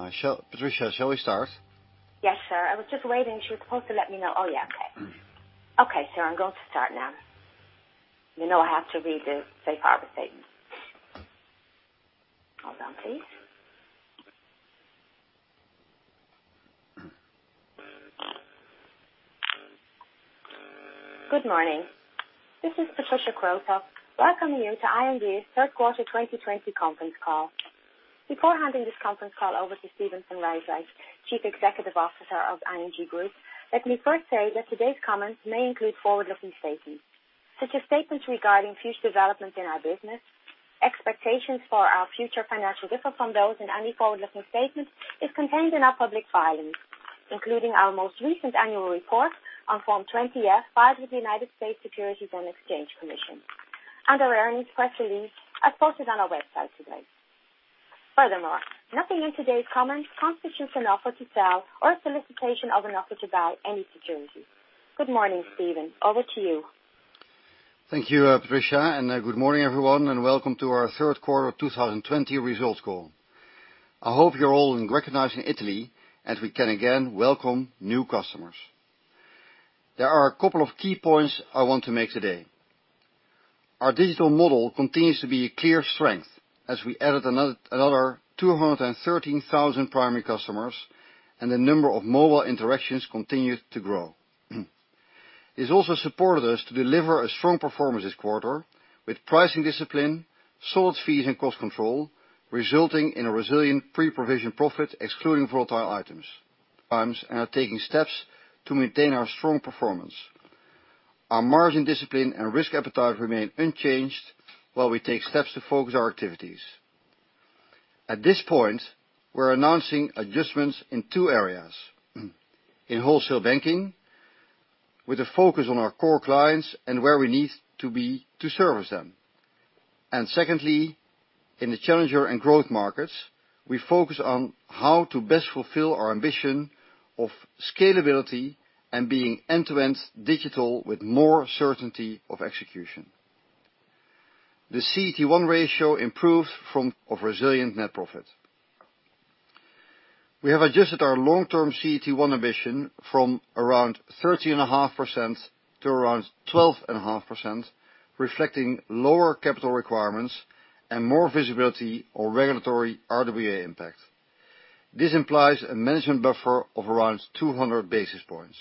Yes. Anita, shall we start? Yes, sir. I was just waiting. She was supposed to let me know. Oh, yeah. Okay. Okay, sir, I'm going to start now. You know I have to read the safe harbor statement. Hold on, please. Good morning. This is Anita Krielen. Welcome you to ING's third quarter 2020 conference call. Before handing this conference call over to Steven van Rijswijk, Chief Executive Officer of ING Groep, let me first say that today's comments may include forward-looking statements, such as statements regarding future developments in our business, expectations for our future financial differ from those in any forward-looking statements is contained in our public filings, including our most recent annual report on Form 20-F filed with the United States Securities and Exchange Commission, and our earnings press release as posted on our website today. Furthermore, nothing in today's comments constitutes an offer to sell or a solicitation of an offer to buy any security. Good morning, Steven. Over to you. Thank you, Anita, and good morning, everyone, and welcome to our third quarter 2020 results call. I hope you're all recognizing Italy, as we can again welcome new customers. There are a couple of key points I want to make today. Our digital model continues to be a clear strength as we added another 213,000 primary customers, and the number of mobile interactions continued to grow. It's also supported us to deliver a strong performance this quarter with pricing discipline, solid fees, and cost control, resulting in a resilient pre-provision profit excluding volatile items. We are taking steps to maintain our strong performance. Our margin discipline and risk appetite remain unchanged while we take steps to focus our activities. At this point, we're announcing adjustments in two areas. In Wholesale Banking, with a focus on our core clients and where we need to be to service them. Secondly, in the Challenger & Growth markets, we focus on how to best fulfill our ambition of scalability and being end-to-end digital with more certainty of execution. The CET1 ratio improved on resilient net profit. We have adjusted our long-term CET1 ambition from around 13.5% to around 12.5%, reflecting lower capital requirements and more visibility on regulatory RWA impact. This implies a management buffer of around 200 basis points.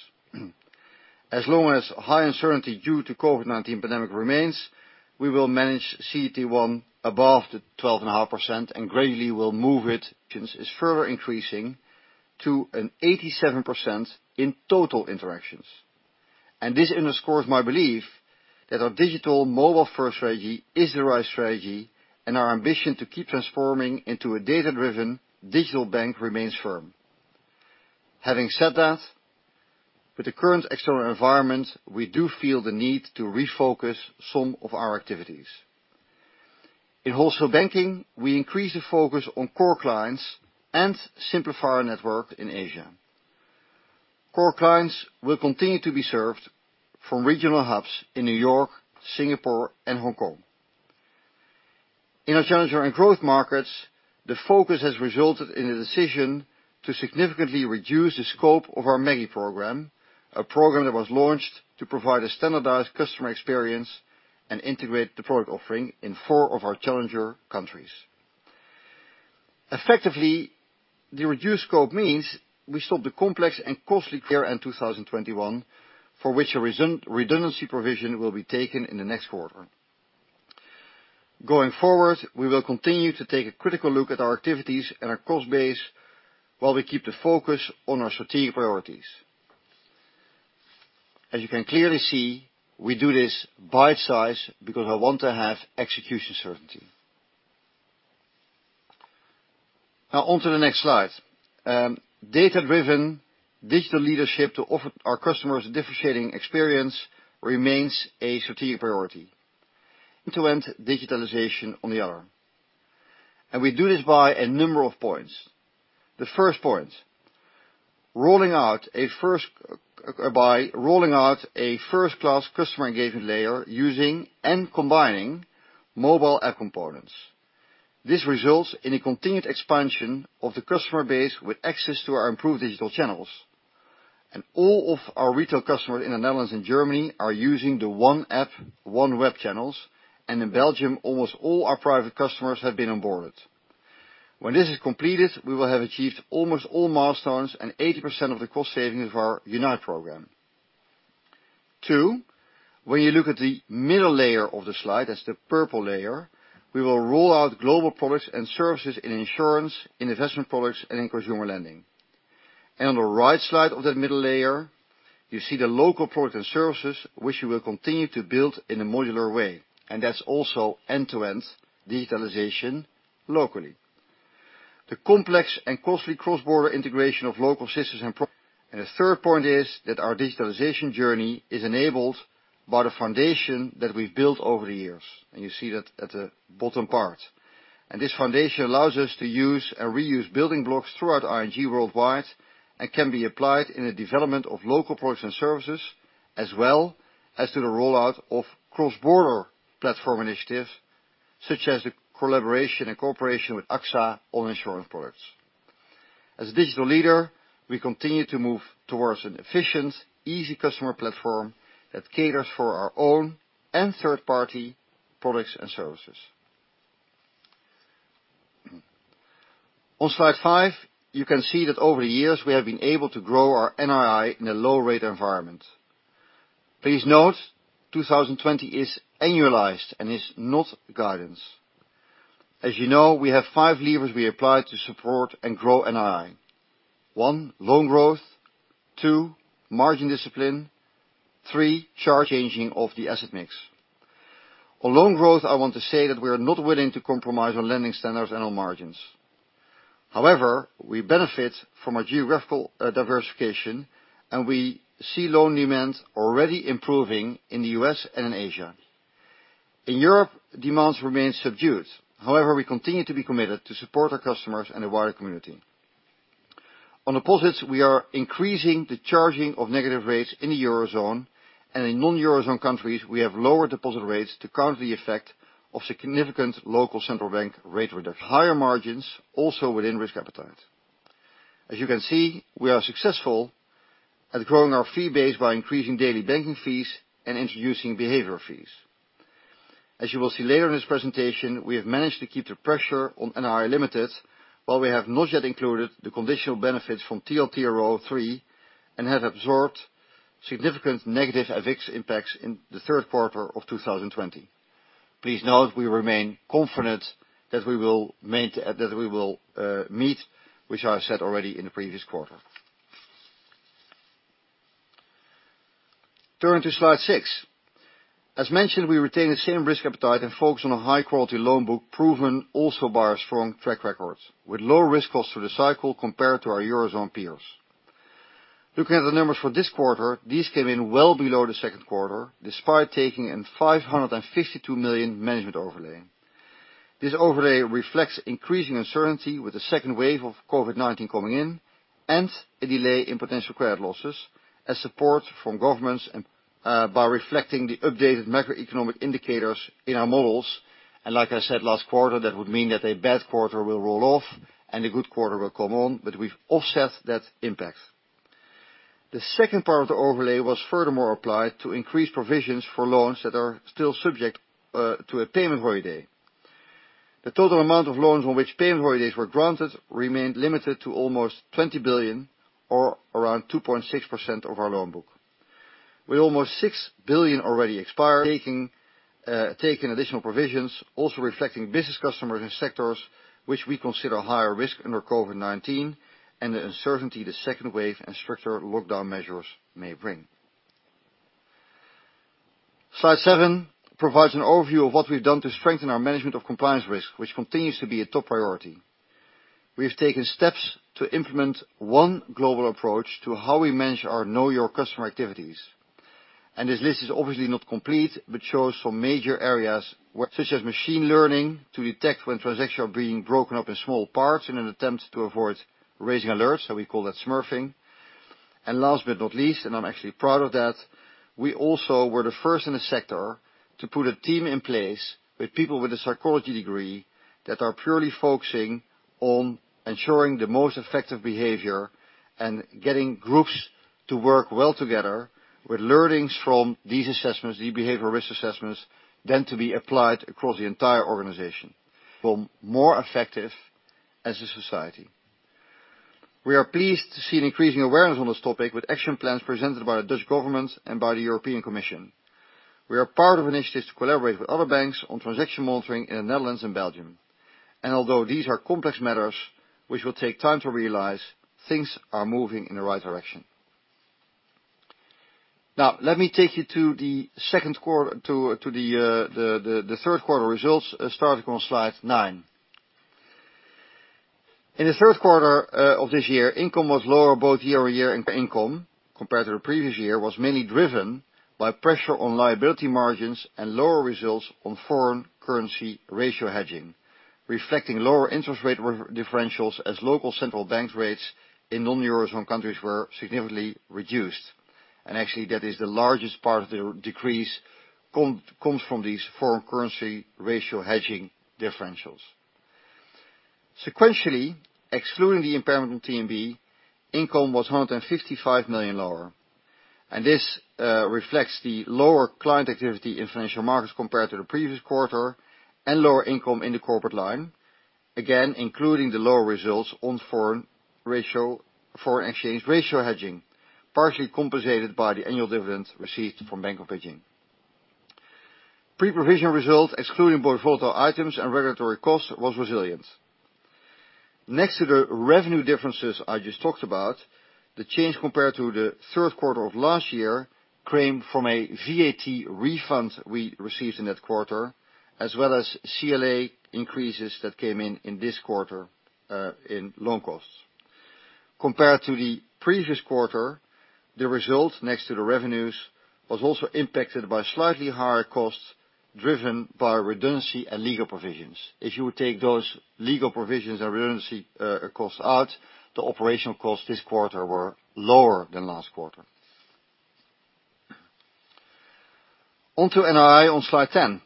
As long as high uncertainty due to COVID-19 pandemic remains, we will manage CET1 above the 12.5% and gradually will move it, since it's further increasing to an 87% in total interactions. This underscores my belief that our digital mobile-first strategy is the right strategy, and our ambition to keep transforming into a data-driven digital bank remains firm. Having said that, with the current external environment, we do feel the need to refocus some of our activities. In Wholesale Banking, we increase the focus on core clients and simplify our network in Asia. Core clients will continue to be served from regional hubs in New York, Singapore, and Hong Kong. In our Challenger & Growth markets, the focus has resulted in a decision to significantly reduce the scope of our Maggie program, a program that was launched to provide a standardized customer experience and integrate the product offering in four of our challenger countries. Effectively, the reduced scope means we stop the complex and costly clear in 2021, for which a redundancy provision will be taken in the next quarter. Going forward, we will continue to take a critical look at our activities and our cost base while we keep the focus on our strategic priorities. As you can clearly see, we do this bite-size because I want to have execution certainty. Onto the next slide. Data-driven digital leadership to offer our customers a differentiating experience remains a strategic priority. End-to-end digitalization on the other. We do this by a number of points. The first point, by rolling out a first-class customer engagement layer using and combining mobile app components. This results in a continued expansion of the customer base with access to our improved digital channels. All of our retail customers in the Netherlands and Germany are using the one app, one web channels, and in Belgium, almost all our private customers have been onboarded. When this is completed, we will have achieved almost all milestones and 80% of the cost savings of our Unite program. Two, when you look at the middle layer of the slide, that's the purple layer, we will roll out global products and services in insurance, in investment products, and in consumer lending. On the right side of that middle layer, you see the local product and services, which we will continue to build in a modular way, and that's also end-to-end digitalization locally. The complex and costly cross-border integration of local systems and the third point is that our digitalization journey is enabled by the foundation that we've built over the years. You see that at the bottom part. This foundation allows us to use and reuse building blocks throughout ING worldwide and can be applied in the development of local products and services as well as to the rollout of cross-border platform initiatives, such as the collaboration and cooperation with AXA on insurance products. As a digital leader, we continue to move towards an efficient, easy customer platform that caters for our own and third-party products and services. On slide five, you can see that over the years we have been able to grow our NII in a low rate environment. Please note, 2020 is annualized and is not guidance. As you know, we have five levers we applied to support and grow NII. One, loan growth. Two, margin discipline. Three, changing of the asset mix. On loan growth, I want to say that we are not willing to compromise on lending standards and on margins. However, we benefit from a geographical diversification, and we see loan demand already improving in the U.S. and in Asia. In Europe, demands remain subdued. However, we continue to be committed to support our customers and the wider community. On deposits, we are increasing the charging of negative rates in the Eurozone, and in non-Eurozone countries, we have lower deposit rates to counter the effect of significant local central bank rate reduction. Higher margins also within risk appetite. As you can see, we are successful at growing our fee base by increasing daily banking fees and introducing behavior fees. As you will see later in this presentation, we have managed to keep the pressure on NII limited, while we have not yet included the conditional benefits from TLTRO III, and have absorbed significant negative FX impacts in the third quarter of 2020. Please note, we remain confident that we will meet, which I said already in the previous quarter. Turning to slide six. As mentioned, we retain the same risk appetite and focus on a high-quality loan book, proven also by our strong track record, with low risk cost through the cycle compared to our Eurozone peers. Looking at the numbers for this quarter, these came in well below the second quarter, despite taking a 552 million management overlay. This overlay reflects increasing uncertainty with the second wave of COVID-19 coming in, and a delay in potential credit losses as support from governments by reflecting the updated macroeconomic indicators in our models. Like I said last quarter, that would mean that a bad quarter will roll off and a good quarter will come on, but we've offset that impact. The second part of the overlay was furthermore applied to increase provisions for loans that are still subject to a payment holiday. The total amount of loans on which payment holidays were granted remained limited to almost 20 billion or around 2.6% of our loan book. With almost 6 billion already expired, taking additional provisions, also reflecting business customers and sectors which we consider higher risk under COVID-19 and the uncertainty the second wave and stricter lockdown measures may bring. Slide seven provides an overview of what we've done to strengthen our management of compliance risk, which continues to be a top priority. We have taken steps to implement one global approach to how we manage our know your customer activities. This list is obviously not complete but shows some major areas, such as machine learning to detect when transactions are being broken up in small parts in an attempt to avoid raising alerts. We call that smurfing. Last but not least, and I'm actually proud of that, we also were the first in the sector to put a team in place with people with a psychology degree that are purely focusing on ensuring the most effective behavior and getting groups to work well together with learnings from these assessments, the behavioral risk assessments, then to be applied across the entire organization for more effective as a society. We are pleased to see an increasing awareness on this topic with action plans presented by the Dutch Government and by the European Commission. We are part of initiatives to collaborate with other banks on transaction monitoring in the Netherlands and Belgium. Although these are complex matters, which will take time to realize, things are moving in the right direction. Let me take you to the third quarter results, starting on slide nine. In the third quarter of this year, income was lower both year-over-year, income compared to the previous year was mainly driven by pressure on liability margins and lower results on foreign currency ratio hedging, reflecting lower interest rate differentials as local central bank rates in non-Eurozone countries were significantly reduced. Actually that is the largest part of the decrease comes from these foreign currency ratio hedging differentials. Sequentially, excluding the impairment in TMB, income was 155 million lower. This reflects the lower client activity in financial markets compared to the previous quarter and lower income in the corporate line, again, including the lower results on foreign exchange ratio hedging, partially compensated by the annual dividend received from Bank of Beijing. Pre-provision results, excluding both volatile items and regulatory costs, was resilient. Next to the revenue differences I just talked about, the change compared to the third quarter of last year came from a VAT refund we received in that quarter, as well as CLA increases that came in in this quarter, in loan costs. Compared to the previous quarter, the result next to the revenues was also impacted by slightly higher costs driven by redundancy and legal provisions. If you would take those legal provisions and redundancy costs out, the operational costs this quarter were lower than last quarter. On to NII on slide 10.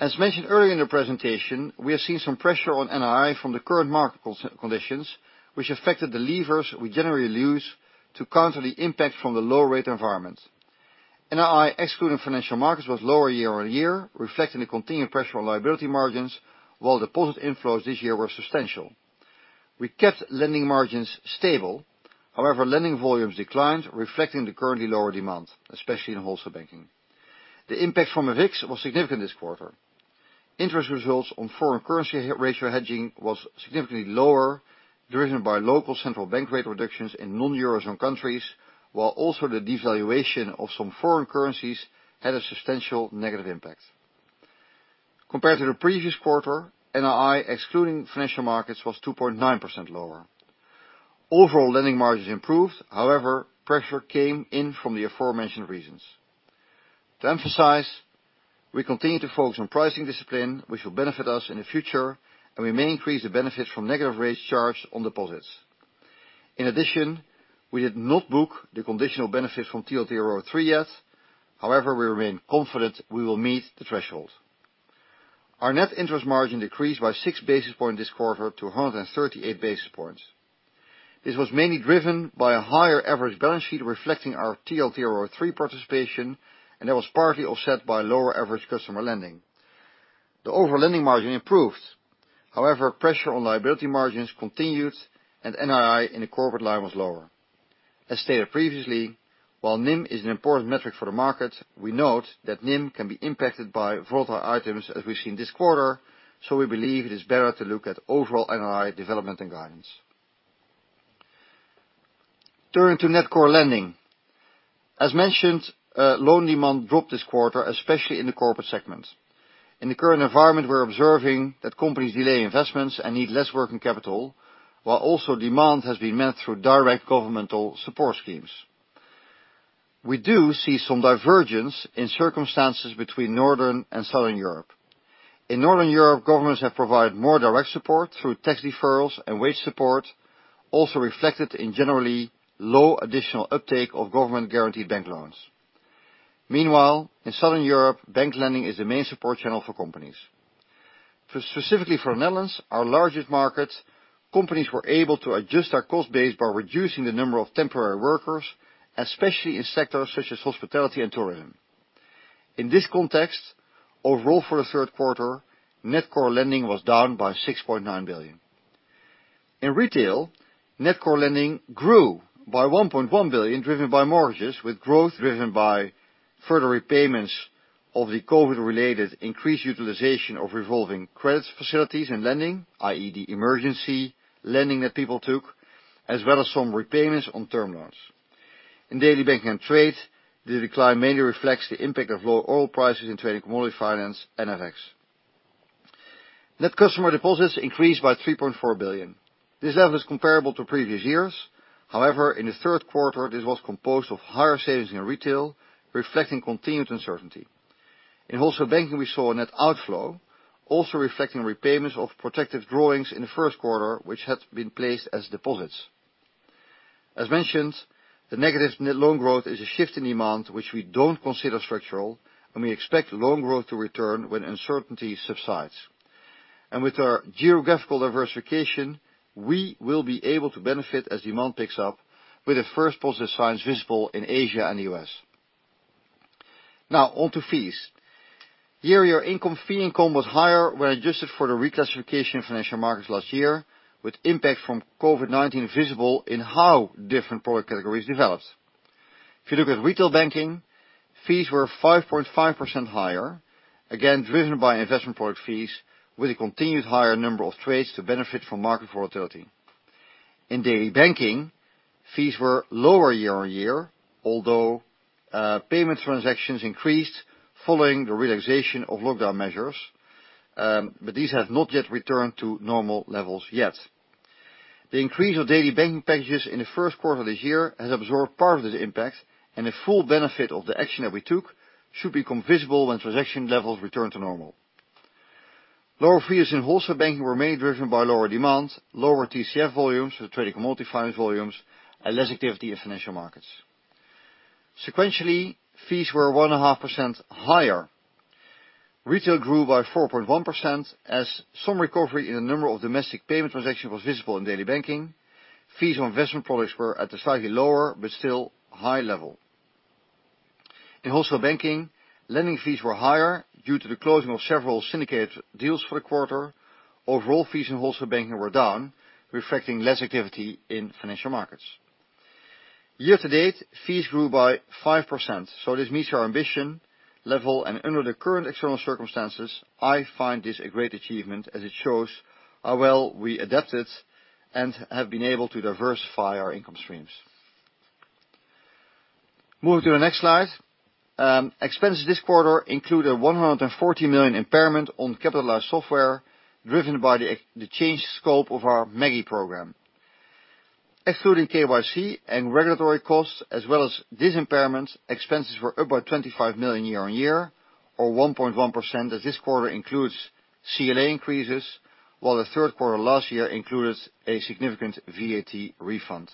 As mentioned earlier in the presentation, we are seeing some pressure on NII from the current market conditions, which affected the levers we generally use to counter the impact from the low rate environment. NII, excluding financial markets, was lower year-over-year, reflecting the continued pressure on liability margins, while deposit inflows this year were substantial. We kept lending margins stable. Lending volumes declined, reflecting the currently lower demand, especially in Wholesale Banking. The impact from FX was significant this quarter. Interest results on foreign currency ratio hedging was significantly lower, driven by local central bank rate reductions in non-Eurozone countries, while also the devaluation of some foreign currencies had a substantial negative impact. Compared to the previous quarter, NII, excluding financial markets, was 2.9% lower. Overall, lending margins improved. Pressure came in from the aforementioned reasons. To emphasize, we continue to focus on pricing discipline, which will benefit us in the future, and we may increase the benefits from negative rates charged on deposits. In addition, we did not book the conditional benefits from TLTRO3 yet. However, we remain confident we will meet the threshold. Our net interest margin decreased by 6 basis points this quarter to 138 basis points. This was mainly driven by a higher average balance sheet reflecting our TLTRO3 participation, and that was partly offset by lower average customer lending. The overall lending margin improved. However, pressure on liability margins continued. NII in the corporate line was lower. As stated previously, while NIM is an important metric for the market, we note that NIM can be impacted by volatile items as we've seen this quarter, so we believe it is better to look at overall NII development and guidance. Turning to net core lending. As mentioned, loan demand dropped this quarter, especially in the corporate segment. In the current environment, we're observing that companies delay investments and need less working capital, while also demand has been met through direct governmental support schemes. We do see some divergence in circumstances between Northern Europe and Southern Europe. In Northern Europe, governments have provided more direct support through tax deferrals and wage support, also reflected in generally low additional uptake of government-guaranteed bank loans. Meanwhile, in Southern Europe, bank lending is the main support channel for companies. Specifically for the Netherlands, our largest market, companies were able to adjust their cost base by reducing the number of temporary workers, especially in sectors such as hospitality and tourism. In this context, overall for the third quarter, net core lending was down by 6.9 billion. In retail, net core lending grew by 1.1 billion, driven by mortgages, with growth driven by further repayments of the COVID-related increased utilization of revolving credit facilities and lending, i.e., the emergency lending that people took, as well as some repayments on term loans. In daily banking and trade, the decline mainly reflects the impact of low oil prices in trade and commodity finance and FX. Net customer deposits increased by 3.4 billion. This level is comparable to previous years. However, in the third quarter, this was composed of higher savings in retail, reflecting continued uncertainty. In Wholesale Banking, we saw a net outflow, also reflecting repayments of protected drawings in the first quarter, which had been placed as deposits. As mentioned, the negative net loan growth is a shift in demand, which we don't consider structural, and we expect loan growth to return when uncertainty subsides. With our geographical diversification, we will be able to benefit as demand picks up with the first positive signs visible in Asia and the U.S. Now on to fees. Year-over-year income fee income was higher when adjusted for the reclassification of financial markets last year, with impact from COVID-19 visible in how different product categories developed. If you look at retail banking, fees were 5.5% higher, again, driven by investment product fees with a continued higher number of trades to benefit from market volatility. In daily banking, fees were lower year-on-year, although payment transactions increased following the relaxation of lockdown measures, but these have not yet returned to normal levels yet. The increase of Daily Banking packages in the first quarter of this year has absorbed part of this impact, the full benefit of the action that we took should become visible when transaction levels return to normal. Lower fees in Wholesale Banking were mainly driven by lower demand, lower TCF volumes with trading commodity finance volumes, less activity in Financial Markets. Sequentially, fees were 1.5% higher. Retail grew by 4.1% as some recovery in the number of domestic payment transactions was visible in Daily Banking. Fees on investment products were at a slightly lower but still high level. In Wholesale Banking, lending fees were higher due to the closing of several syndicated deals for the quarter. Overall fees in Wholesale Banking were down, reflecting less activity in Financial Markets. Year to date, fees grew by 5%, this meets our ambition level. Under the current external circumstances, I find this a great achievement as it shows how well we adapted and have been able to diversify our income streams. Moving to the next slide. Expenses this quarter include a 140 million impairment on capitalized software driven by the changed scope of our Maggie program. Excluding KYC and regulatory costs as well as this impairment, expenses were up by 25 million year-on-year, or 1.1% as this quarter includes CLA increases, while the third quarter last year included a significant VAT refund.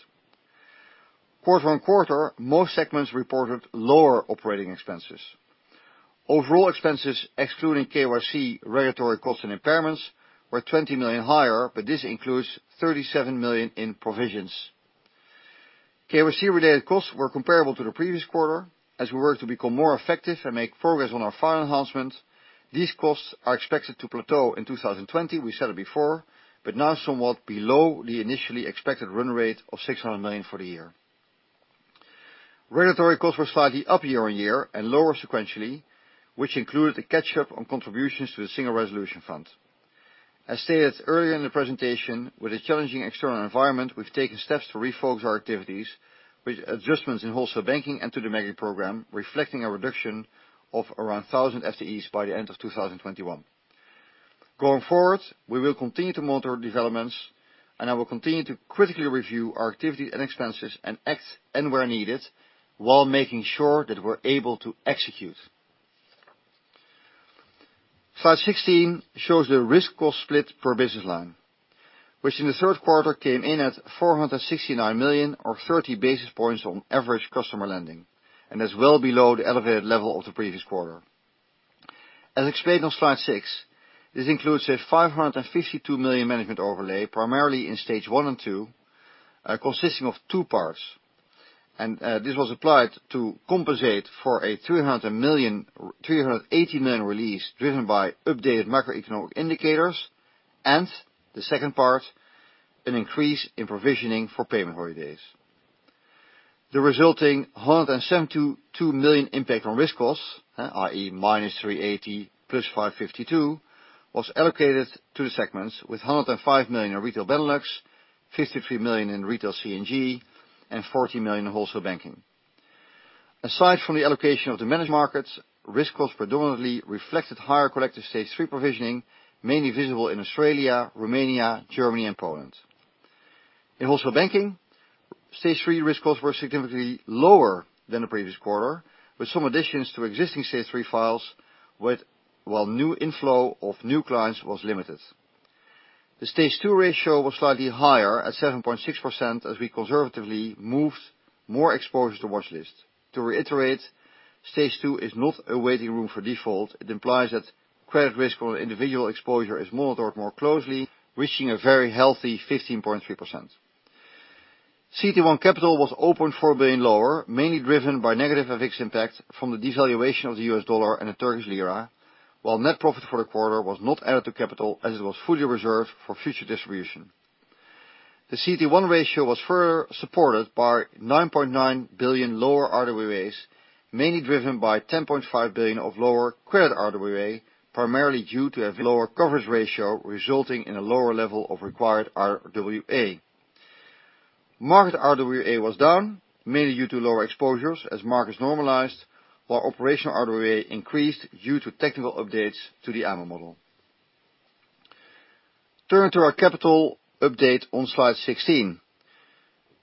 Quarter-on-quarter, most segments reported lower operating expenses. Overall expenses, excluding KYC regulatory costs and impairments, were 20 million higher, but this includes 37 million in provisions. KYC-related costs were comparable to the previous quarter. As we work to become more effective and make progress on our file enhancement, these costs are expected to plateau in 2020, we said it before, but now somewhat below the initially expected run rate of 600 million for the year. Regulatory costs were slightly up year-on-year and lower sequentially, which included a catch-up on contributions to the Single Resolution Fund. As stated earlier in the presentation, with a challenging external environment, we've taken steps to refocus our activities with adjustments in Wholesale Banking and to the Maggie program, reflecting a reduction of around 1,000 FTEs by the end of 2021. Going forward, we will continue to monitor developments, and I will continue to critically review our activity and expenses and act anywhere needed while making sure that we're able to execute. Slide 16 shows the risk cost split per business line, which in the third quarter came in at 469 million or 30 basis points on average customer lending and is well below the elevated level of the previous quarter. As explained on slide six, this includes a 552 million management overlay, primarily in Stage 1 and Stage 2, consisting of two parts. This was applied to compensate for a 380 million release driven by updated macroeconomic indicators, and the second part, an increase in provisioning for payment holidays. The resulting 172 million impact on risk costs, i.e., -380 million, +552 million, was allocated to the segments with 105 million in Retail Benelux, 53 million in Retail C&G, and 40 million in Wholesale Banking. Aside from the allocation of the managed markets, risk costs predominantly reflected higher collective Stage 3 provisioning, mainly visible in Australia, Romania, Germany, and Poland. In Wholesale Banking, Stage 3 risk costs were significantly lower than the previous quarter, with some additions to existing Stage 3 files while new inflow of new clients was limited. The Stage 2 ratio was slightly higher at 7.6% as we conservatively moved more exposure to watchlist. To reiterate, Stage 2 is not a waiting room for default. It implies that credit risk on an individual exposure is monitored more closely, reaching a very healthy 15.3%. CET1 capital was 0.4 billion lower, mainly driven by negative FX impact from the devaluation of the U.S. dollar and the Turkish lira, while net profit for the quarter was not added to capital as it was fully reserved for future distribution. The CET1 ratio was further supported by 9.9 billion lower RWAs, mainly driven by 10.5 billion of lower credit RWA, primarily due to a lower coverage ratio, resulting in a lower level of required RWA. Market RWA was down, mainly due to lower exposures as markets normalized, while operational RWA increased due to technical updates to the AMA model. Turning to our capital update on slide 16.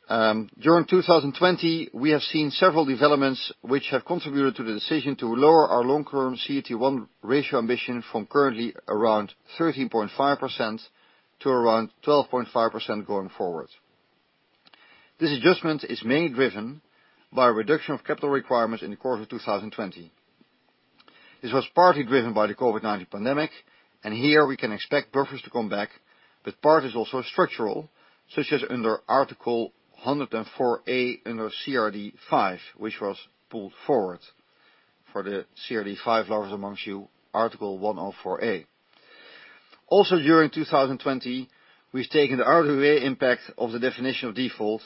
During 2020, we have seen several developments which have contributed to the decision to lower our long-term CET1 ratio ambition from currently around 13.5% to around 12.5% going forward. This adjustment is mainly driven by a reduction of capital requirements in the course of 2020. This was partly driven by the COVID-19 pandemic. Here we can expect buffers to come back. Part is also structural, such as under Article 104a under CRD V, which was pulled forward. For the CRD V lovers amongst you, Article 104a. Also, during 2020, we've taken the RWA impact of the Definition of Default,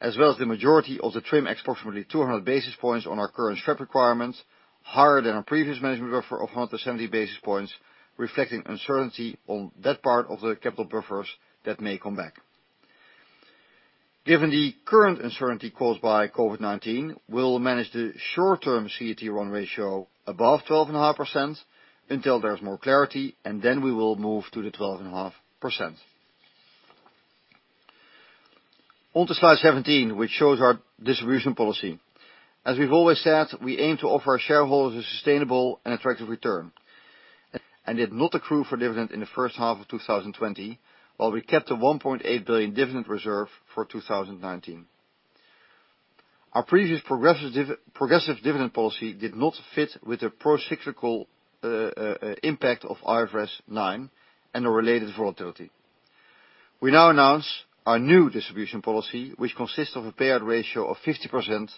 as well as the majority of the TRIM approximately 200 basis points on our current SREP requirements, higher than our previous management buffer of 170 basis points, reflecting uncertainty on that part of the capital buffers that may come back. Given the current uncertainty caused by COVID-19, we'll manage the short-term CET1 ratio above 12.5% until there's more clarity, and then we will move to the 12.5%. On to slide 17, which shows our distribution policy. As we've always said, we aim to offer our shareholders a sustainable and attractive return and did not accrue for dividend in the first half of 2020, while we kept the 1.8 billion dividend reserve for 2019. Our previous progressive dividend policy did not fit with the procyclical impact of IFRS 9 and the related volatility. We now announce our new distribution policy, which consists of a payout ratio of 50%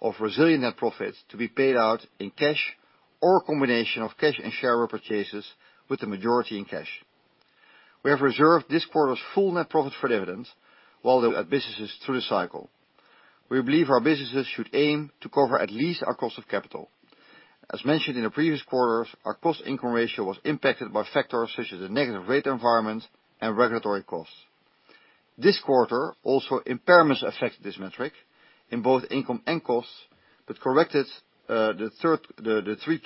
of resilient net profits to be paid out in cash or a combination of cash and share repurchases, with the majority in cash. We have reserved this quarter's full net profit for dividend while at businesses through the cycle. We believe our businesses should aim to cover at least our cost of capital. As mentioned in the previous quarters, our cost-income ratio was impacted by factors such as the negative rate environment and regulatory costs. This quarter, also impairments affected this metric in both income and costs, but corrected the Q3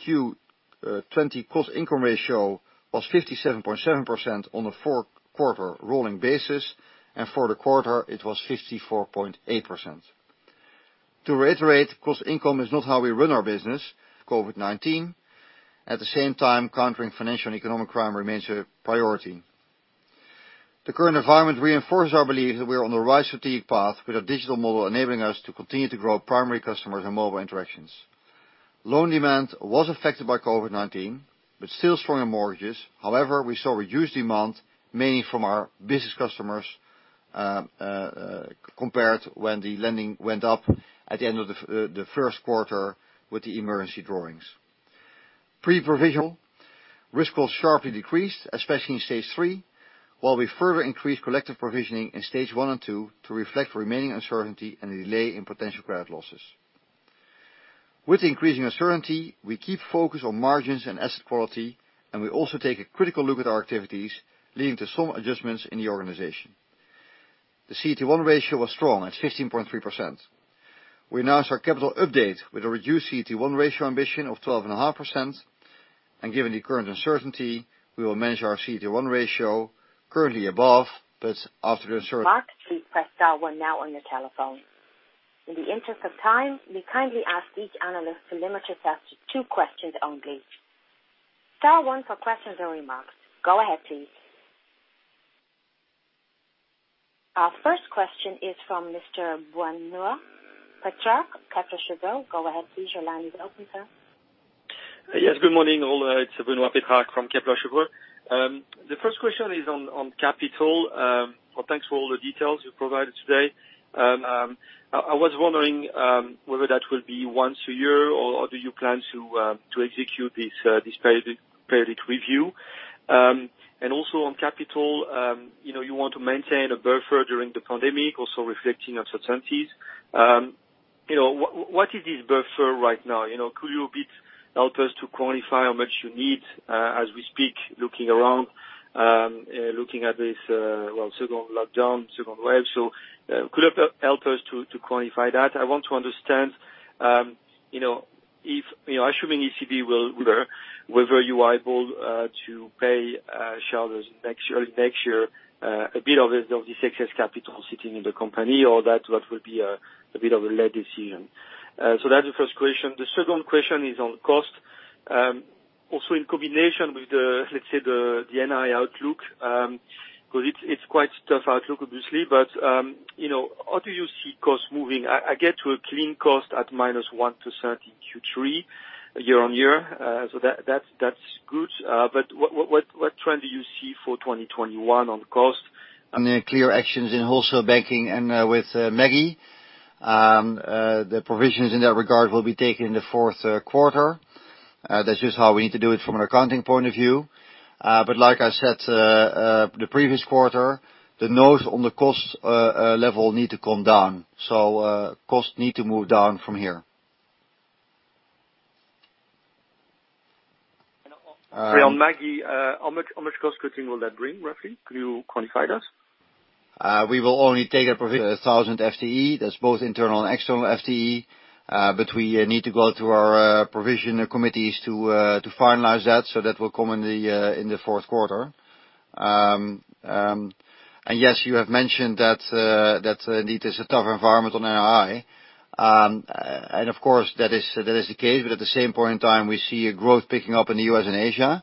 2020 cost-income ratio was 57.7% on a four-quarter rolling basis, and for the quarter it was 54.8%. To reiterate, cost income is not how we run our business. COVID-19 at the same time, countering financial and economic crime remains a priority. The current environment reinforces our belief that we are on the right strategic path with our digital model enabling us to continue to grow primary customers and mobile interactions. Loan demand was affected by COVID-19, but still strong in mortgages. However, we saw reduced demand mainly from our business customers, compared to when the lending went up at the end of the first quarter with the emergency drawings. Pre-provisional, risk cost sharply decreased, especially in Stage 3, while we further increased collective provisioning in Stage 1 and Stage 2 to reflect the remaining uncertainty and the delay in potential credit losses. With the increasing uncertainty, we keep focus on margins and asset quality. We also take a critical look at our activities, leading to some adjustments in the organization. The CET1 ratio was strong at 15.3%. We announced our capital update with a reduced CET1 ratio ambition of 12.5%. Given the current uncertainty, we will manage our CET1 ratio, currently above. Mark, please press star one now on your telephone. In the interest of time, we kindly ask each analyst to limit yourself to two questions only. Star one for questions or remarks. Go ahead, please. Our first question is from Mr. Benoit Pétrarque, Kepler Cheuvreux. Go ahead, please. Your line is open, sir. Yes, good morning, all. It's Benoit Pétrarque from Kepler Cheuvreux. The first question is on capital. Well, thanks for all the details you provided today. I was wondering whether that will be once a year or do you plan to execute this periodic review? Also on capital, you want to maintain a buffer during the pandemic, also reflecting uncertainties. What is this buffer right now? Could you a bit help us to quantify how much you need as we speak, looking around, looking at this, well, second lockdown, second wave. Could help us to quantify that? I want to understand, assuming ECB will, whether you are able to pay shareholders next year a bit of the excess capital sitting in the company, or that will be a bit of a late decision. That's the first question. The second question is on cost. Also in combination with the, let's say the NII outlook, because it's quite a tough outlook, obviously. How do you see costs moving? I get to a clean cost at minus one to certain Q3 year-on-year. That's good. What trend do you see for 2021 on cost? Clear actions in Wholesale Banking and with Maggie. The provisions in that regard will be taken in the fourth quarter. That's just how we need to do it from an accounting point of view. Like I said, the previous quarter, the needs on the cost level need to come down. Cost need to move down from here. On Maggie, how much cost cutting will that bring, roughly? Could you quantify that? We will only take a provision, 1,000 FTE. That is both internal and external FTE. We need to go to our provision committees to finalize that. That will come in the fourth quarter. Yes, you have mentioned that indeed it is a tough environment on NII. Of course, that is the case. At the same point in time, we see a growth picking up in the U.S. and Asia.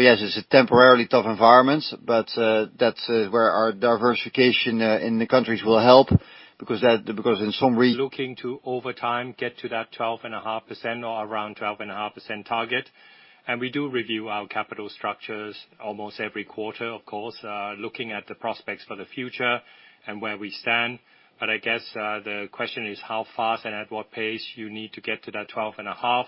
Yes, it is a temporarily tough environment, but that is where our diversification in the countries will help because in some. Looking to, over time, get to that 12.5% or around 12.5% target. We do review our capital structures almost every quarter, of course, looking at the prospects for the future and where we stand. I guess, the question is how fast and at what pace you need to get to that 12.5%.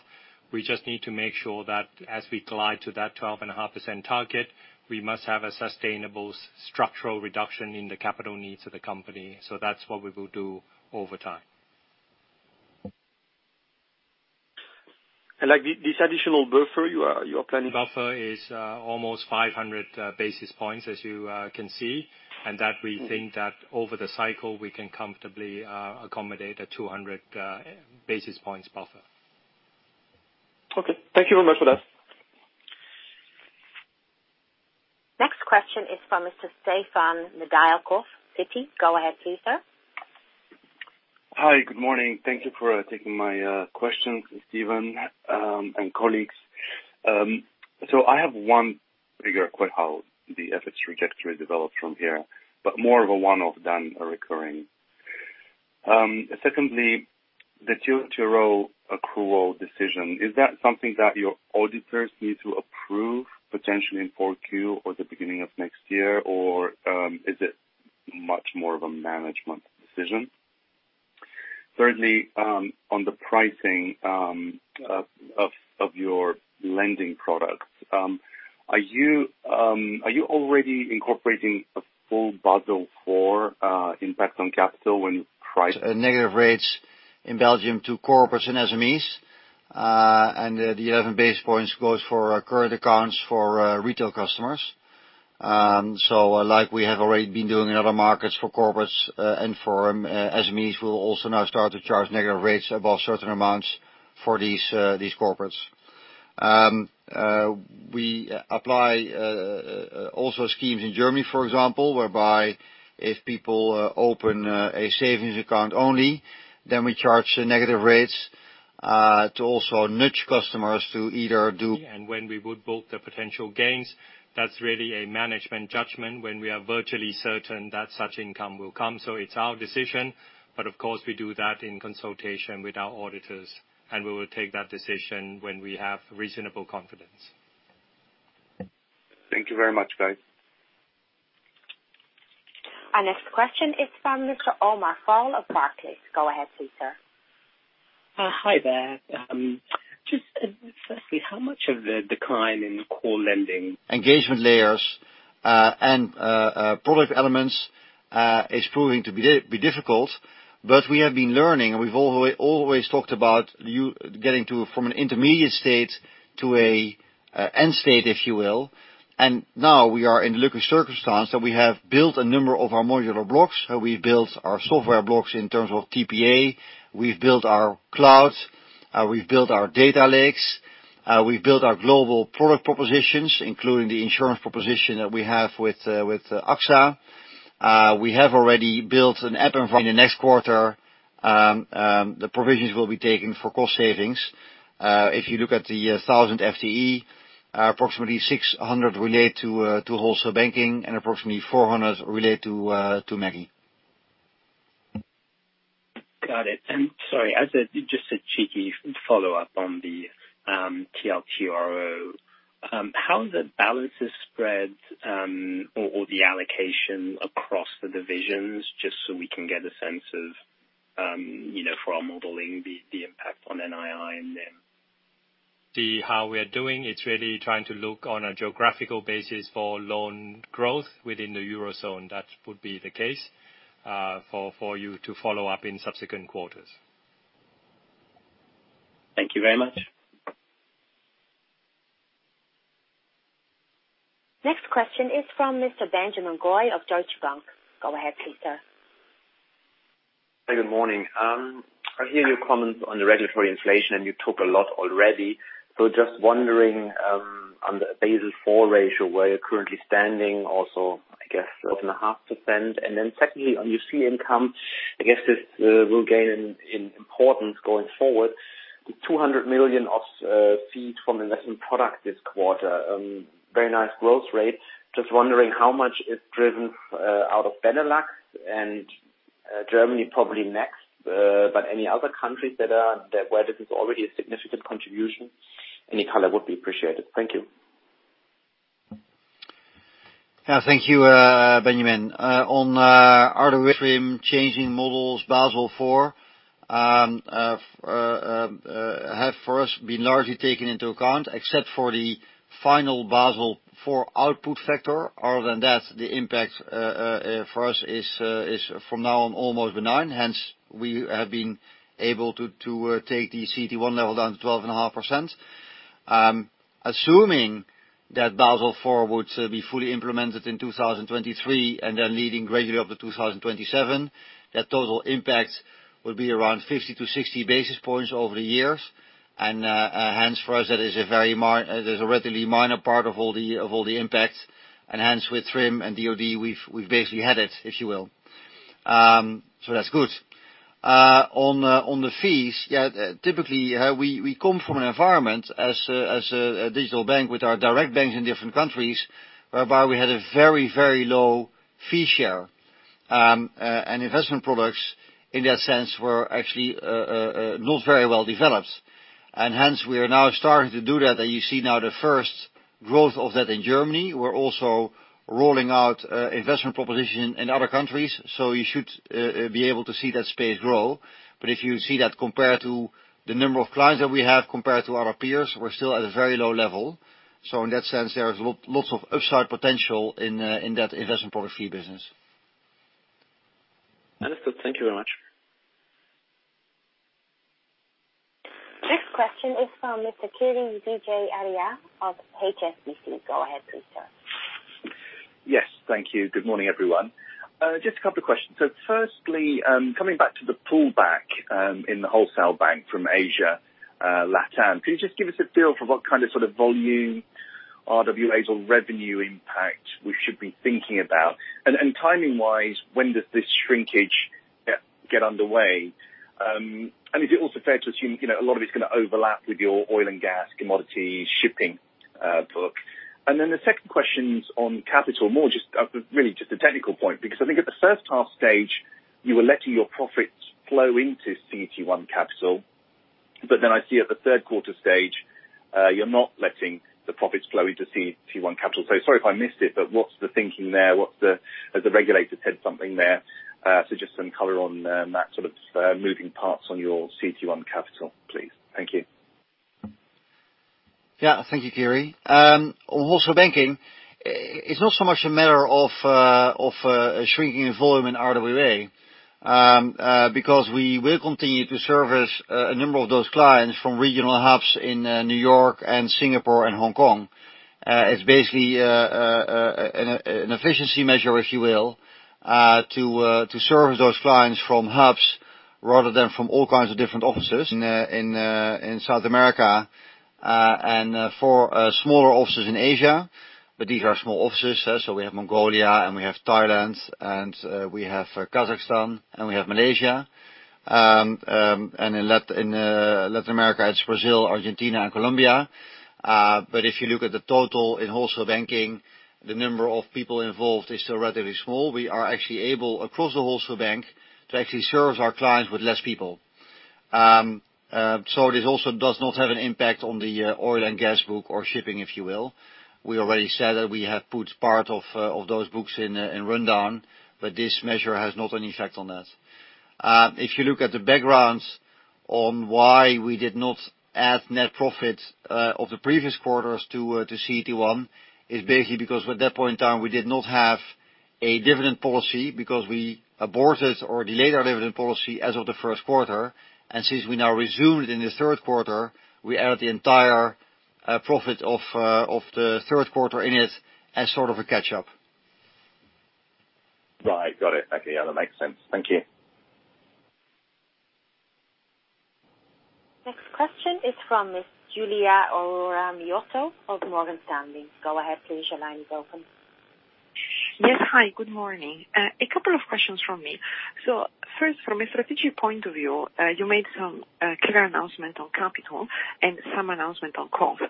We just need to make sure that as we glide to that 12.5% target, we must have a sustainable structural reduction in the capital needs of the company. That's what we will do over time. This additional buffer you are planning. Buffer is almost 500 basis points, as you can see, and that we think that over the cycle, we can comfortably accommodate a 200 basis points buffer. Okay. Thank you very much for that. Next question is from Mr. Stefan Nedialkov, Citi. Go ahead please, sir. Hi, good morning. Thank you for taking my questions, Steven, and colleagues. I have one figure how the efforts trajectory develops from here, but more of a one-off than a recurring. Secondly, the TLTRO accrual decision, is that something that your auditors need to approve potentially in 4Q or the beginning of next year, or is it much more of a management decision? Thirdly, on the pricing of your lending products, are you already incorporating a full Basel IV impact on capital? Negative rates in Belgium to corporates and SMEs, the 11 basis points goes for current accounts for retail customers. Like we have already been doing in other markets for corporates and for SMEs, we'll also now start to charge negative rates above certain amounts for these corporates. We apply also schemes in Germany, for example, whereby if people open a savings account only, then we charge negative rates... When we would book the potential gains, that's really a management judgment when we are virtually certain that such income will come. It's our decision, but of course, we do that in consultation with our auditors, and we will take that decision when we have reasonable confidence. Thank you very much, guys. Our next question is from Mr. Omar Fall, Barclays. Go ahead, please sir. Hi there. Just firstly, how much of the decline in core lending? Engagement layers and product elements is proving to be difficult. We have been learning, and we've always talked about getting from an intermediate state to an end state, if you will. Now we are in the lucky circumstance that we have built a number of our modular blocks. We've built our software blocks in terms of TPA, we've built our cloud, we've built our data lakes, we've built our global product propositions, including the insurance proposition that we have with AXA. We have already built an app environment. In the next quarter, the provisions will be taken for cost savings. If you look at the 1,000 FTE, approximately 600 relate to Wholesale Banking and approximately 400 relate to Maggie. Got it. Sorry, just a cheeky follow-up on the TLTRO. How the balances spread or the allocation across the divisions, just so we can get a sense of, for our modeling, the impact on NII and NIM. See how we are doing. It's really trying to look on a geographical basis for loan growth within the Eurozone. That would be the case for you to follow up in subsequent quarters. Thank you very much. Next question is from Mr. Benjamin Goy of Deutsche Bank. Go ahead, please sir. Good morning. I hear your comments on the regulatory inflation. You talked a lot already. Just wondering, on the Basel IV ratio, where you're currently standing, also, I guess, 12.5%. Secondly, on your fee income, I guess this will gain in importance going forward. The 200 million of fees from investment product this quarter, very nice growth rate. Just wondering how much is driven out of Benelux and Germany probably next. Any other countries where this is already a significant contribution? Any color would be appreciated. Thank you. Thank you, Benjamin. On RWA TRIM, changing models, Basel IV, have for us been largely taken into account, except for the final Basel IV output factor. Other than that, the impact for us is from now on almost benign. We have been able to take the CET1 level down to 12.5%. Assuming that Basel IV would be fully implemented in 2023, and then leading gradually up to 2027, that total impact would be around 50-60 basis points over the years. For us, that is a readily minor part of all the impact. With TRIM and DoD, we've basically had it, if you will. That's good. On the fees, typically, we come from an environment as a digital bank with our direct banks in different countries, whereby we had a very, very low fee share. Investment products, in that sense, were actually not very well developed. Hence, we are now starting to do that, and you see now the first growth of that in Germany. We're also rolling out investment proposition in other countries. You should be able to see that space grow. If you see that compared to the number of clients that we have compared to our peers, we're still at a very low level. In that sense, there is lots of upside potential in that investment product fee business. Understood. Thank you very much. Next question is from Mr. Kiri Vijayarajah of HSBC. Go ahead, please sir. Yes. Thank you. Good morning, everyone. Just a couple of questions. Firstly, coming back to the pullback in the Wholesale Banking from Asia, LatAm. Can you just give us a feel for what kind of volume RWAs or revenue impact we should be thinking about? Timing-wise, when does this shrinkage get underway? Is it also fair to assume a lot of it's going to overlap with your oil and gas, commodities, shipping book? The second question's on capital, really just a technical point, because I think at the first half stage, you were letting your profits flow into CET1 capital. I see at the third quarter stage, you're not letting the profits flow into CET1 capital. Sorry if I missed it, what's the thinking there? Has the regulator said something there? Just some color on that moving parts on your CET1 capital, please. Thank you. Thank you, Kiri. Wholesale Banking, it's not so much a matter of shrinking volume in RWA, because we will continue to service a number of those clients from regional hubs in New York and Singapore and Hong Kong. It's basically an efficiency measure, if you will, to service those clients from hubs rather than from all kinds of different offices. In South America and four smaller offices in Asia, but these are small offices. We have Mongolia, and we have Thailand, and we have Kazakhstan, and we have Malaysia. In Latin America, it's Brazil, Argentina, and Colombia. If you look at the total in Wholesale Banking, the number of people involved is still relatively small. We are actually able, across the Wholesale Bank, to actually serve our clients with less people. This also does not have an impact on the oil and gas book or shipping, if you will. We already said that we have put part of those books in rundown, but this measure has not an effect on that. If you look at the backgrounds on why we did not add net profits of the previous quarters to CET1, it's basically because at that point in time, we did not have a dividend policy because we aborted or delayed our dividend policy as of the first quarter. Since we now resumed in the third quarter, we added the entire profit of the third quarter in it as sort of a catch-up. Right. Got it. Okay. Yeah, that makes sense. Thank you. Next question is from Miss Giulia Aurora Miotto of Morgan Stanley. Go ahead, please. Your line is open. Yes. Hi, good morning. A couple of questions from me. First, from a strategic point of view, you made some clear announcement on capital and some announcement on costs.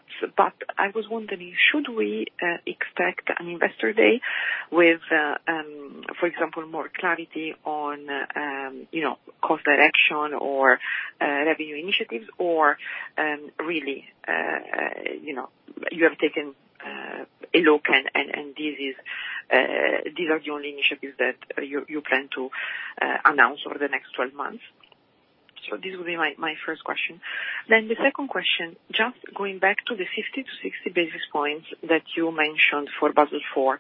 I was wondering, should we expect an investor day with, for example, more clarity on cost direction or revenue initiatives? Really, you have taken a look and these are the only initiatives that you plan to announce over the next 12 months? This will be my first question. The second question, just going back to the 50-60 basis points that you mentioned for Basel IV.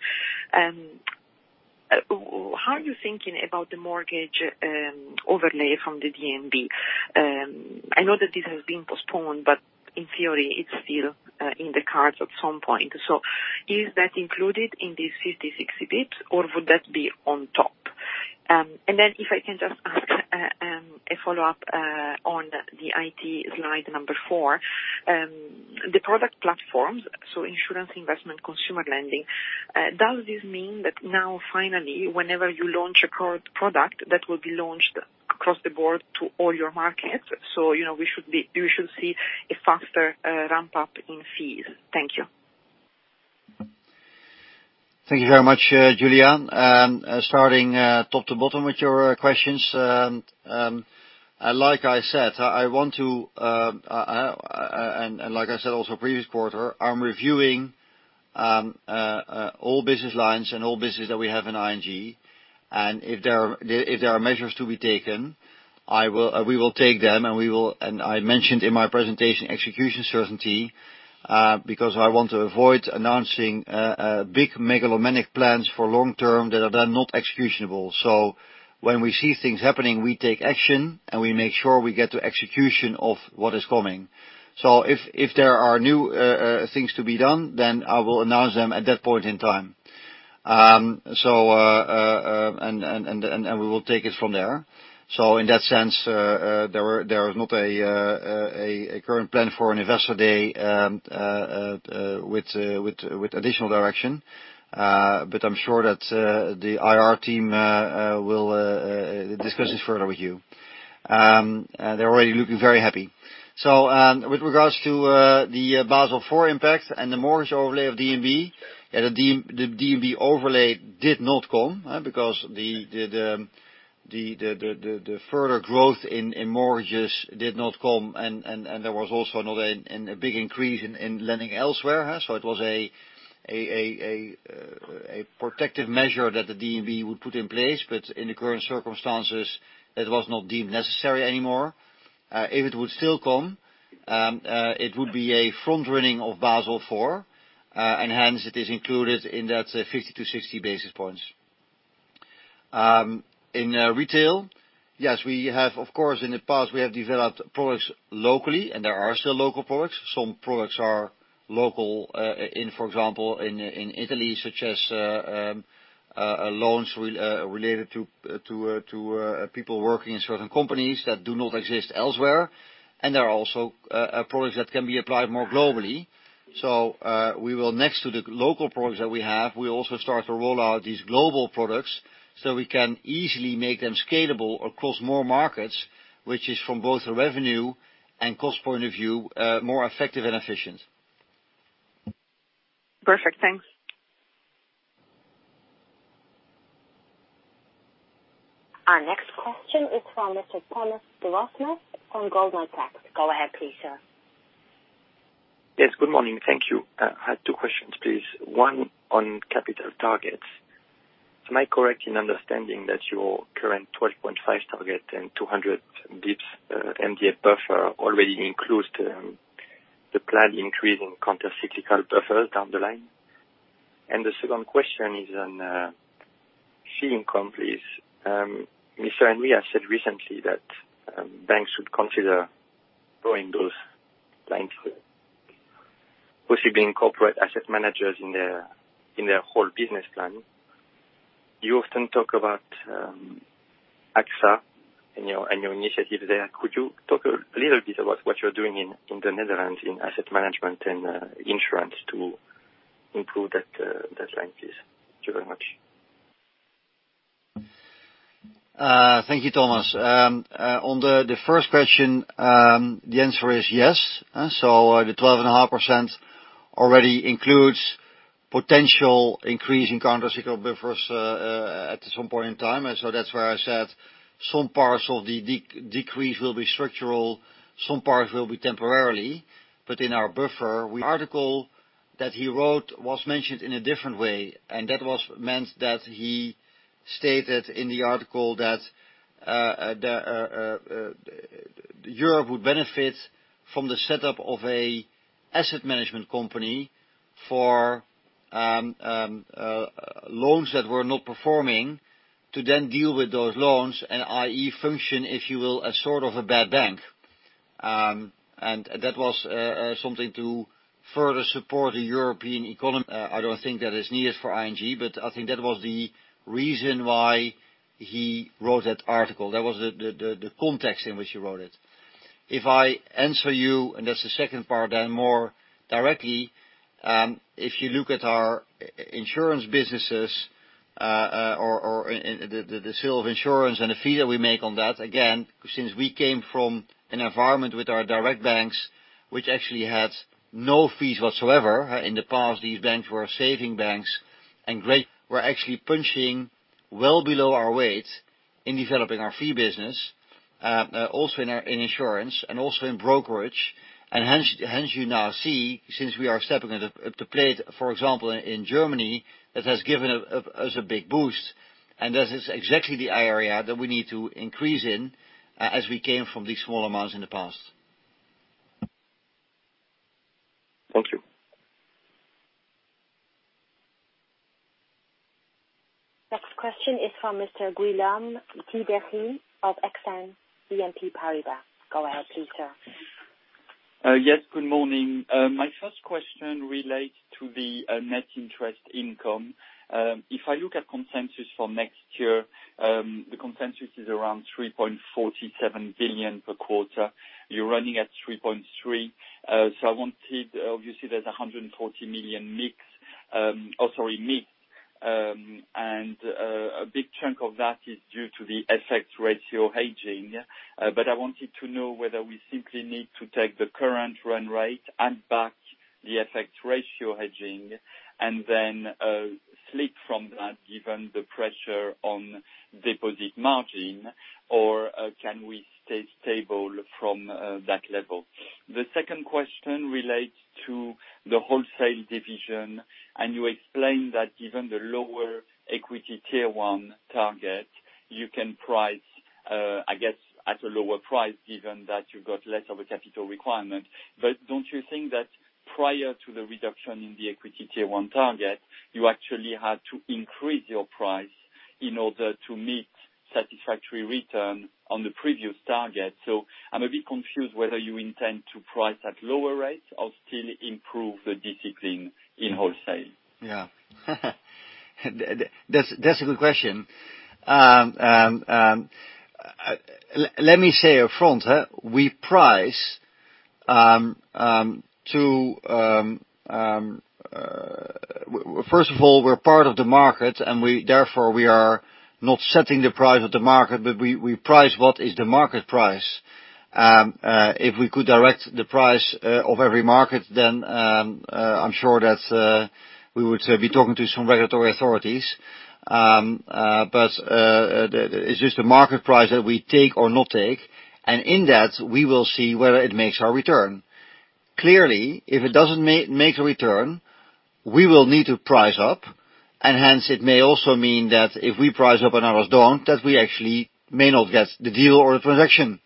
How are you thinking about the mortgage overlay from the DNB? I know that this has been postponed, but in theory, it's still in the cards at some point. Is that included in these 50, 60 basis points, or would that be on top? If I can just ask a follow-up on the IT slide number four. The product platforms, so insurance, investment, consumer lending, does this mean that now finally, whenever you launch a current product, that will be launched across the board to all your markets? We should see a faster ramp-up in fees. Thank you. Thank you very much, Giulia. Starting top to bottom with your questions. Like I said also previous quarter, I'm reviewing all business lines and all business that we have in ING. If there are measures to be taken, we will take them, and I mentioned in my presentation execution certainty, because I want to avoid announcing big megalomanic plans for long-term that are not executable. When we see things happening, we take action, and we make sure we get to execution of what is coming. If there are new things to be done, then I will announce them at that point in time. We will take it from there. In that sense, there is not a current plan for an investor day with additional direction. I'm sure that the IR team will discuss this further with you. They're already looking very happy. With regards to the Basel IV impact and the mortgage overlay of DNB, the DNB overlay did not come because the further growth in mortgages did not come, and there was also not a big increase in lending elsewhere. It was a protective measure that the DNB would put in place, but in the current circumstances, that was not deemed necessary anymore. If it would still come, it would be a front-running of Basel IV, and hence it is included in that 50-60 basis points. In retail, yes, we have, of course, in the past, we have developed products locally, and there are still local products. Some products are local, for example, in Italy, such as loans related to people working in certain companies that do not exist elsewhere. There are also products that can be applied more globally. We will next to the local products that we have, we'll also start to roll out these global products so we can easily make them scalable across more markets, which is from both a revenue and cost point of view, more effective and efficient. Perfect. Thanks. Our next question is from Mr. Thomas Dewasmes on Goldman Sachs. Go ahead, please, sir. Yes, good morning. Thank you. I had two questions, please. One, on capital targets. Am I correct in understanding that your current 12.5% target and 200 basis points MDA buffer already includes the planned increase in countercyclical buffer down the line? The second question is on fee income, please. Mr. Enria said recently that banks should consider growing those banks, possibly incorporate asset managers in their whole business plan. You often talk about AXA and your initiative there. Could you talk a little bit about what you're doing in the Netherlands in asset management and insurance to improve that link, please? Thank you very much. Thank you, Thomas. On the first question, the answer is yes. The 12.5% already includes potential increase in countercyclical buffers at some point in time. That's where I said some parts of the decrease will be structural, some parts will be temporarily, but in our buffer from an article that he wrote was mentioned in a different way, and that meant that he stated in the article that Europe would benefit from the setup of an asset management company for loans that were not performing to then deal with those loans and, i.e., function, if you will, as sort of a bad bank. That was something to further support the European economy. I don't think that is needed for ING, but I think that was the reason why he wrote that article. That was the context in which he wrote it. If I answer you, and that's the second part, more directly, if you look at our insurance businesses or the sale of insurance and the fee that we make on that, again, since we came from an environment with our direct banks, which actually had no fees whatsoever. In the past, these banks were saving banks, were actually punching well below our weight in developing our fee business, also in insurance and also in brokerage. Hence you now see, since we are stepping up to plate, for example, in Germany, that has given us a big boost. That is exactly the area that we need to increase in as we came from these small amounts in the past. Thank you. Next question is from Mr. Guillaume Tiberghien of Exane BNP Paribas. Go ahead, please, sir. Yes, good morning. My first question relates to the net interest income. If I look at consensus for next year, the consensus is around 3.47 billion per quarter. You're running at 3.3 billion. Obviously, there's 140 million mix, and a big chunk of that is due to the FX ratio hedging. I wanted to know whether we simply need to take the current run rate and back the FX ratio hedging, and then slip from that given the pressure on deposit margin, or can we stay stable from that level? The second question relates to the Wholesale Banking, and you explained that given the lower Equity Tier 1 target, you can price, I guess, at a lower price given that you got less of a capital requirement. Don't you think that prior to the reduction in the Equity Tier 1 target, you actually had to increase your price in order to meet satisfactory return on the previous target? I'm a bit confused whether you intend to price at lower rates or still improve the discipline in Wholesale. Yeah. That's a good question. Let me say up front, we're part of the market, and therefore, we are not setting the price of the market. We price what is the market price. If we could direct the price of every market, I'm sure that we would be talking to some regulatory authorities. It's just a market price that we take or not take. In that, we will see whether it makes a return. Clearly, if it doesn't make a return, we will need to price up. Hence, it may also mean that if we price up and others don't, that we actually may not get the deal or the transaction.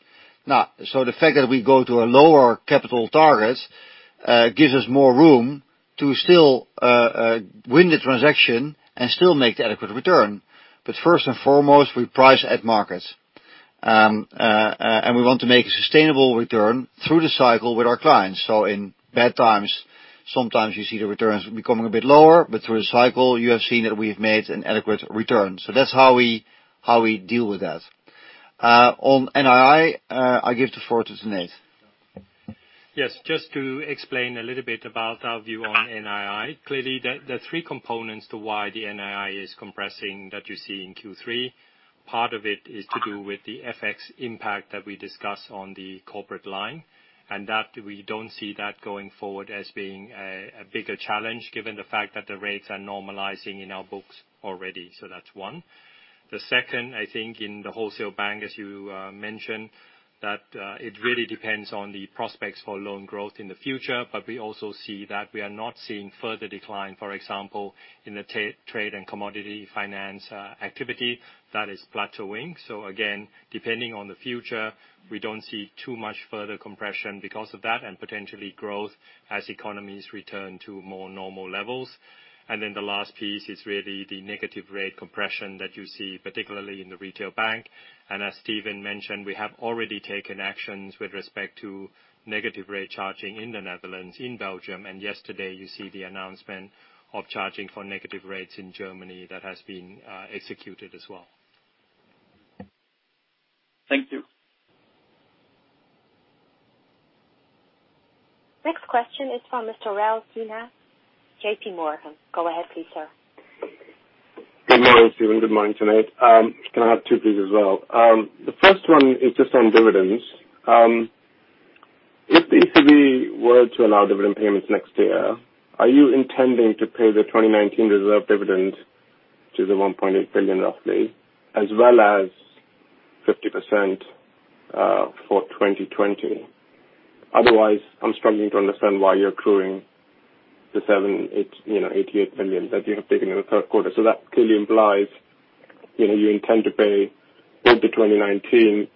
Now, the fact that we go to a lower capital target gives us more room to still win the transaction and still make the adequate return. First and foremost, we price at market. We want to make a sustainable return through the cycle with our clients. In bad times, sometimes you see the returns becoming a bit lower, but through a cycle, you have seen that we've made an adequate return. That's how we deal with that. On NII, I give the floor to Tanate. Yes. Just to explain a little bit about our view on NII. Clearly, there are three components to why the NII is compressing that you see in Q3. Part of it is to do with the FX impact that we discussed on the corporate line, and that we don't see that going forward as being a bigger challenge given the fact that the rates are normalizing in our books already. That's one. The second, I think, in the Wholesale Banking, as you mentioned, that it really depends on the prospects for loan growth in the future. We also see that we are not seeing further decline, for example, in the trade and commodity finance activity that is plateauing. Again, depending on the future, we don't see too much further compression because of that and potentially growth as economies return to more normal levels. The last piece is really the negative rate compression that you see, particularly in the retail bank. As Steven mentioned, we have already taken actions with respect to negative rate charging in the Netherlands, in Belgium, and yesterday you see the announcement of charging for negative rates in Germany that has been executed as well. Thank you. Next question is from Mr. Raul Sinha, JPMorgan. Go ahead please, sir. Good morning, Steven. Good morning, Tanate. Can I have two please as well? The first one is just on dividends. If ECB were to allow dividend payments next year, are you intending to pay the 2019 reserved dividend to the 1.8 billion roughly, as well as 50% for 2020? Otherwise, I'm struggling to understand why you're accruing the 88 million that you have taken in the third quarter. That clearly implies you intend to pay both the 2019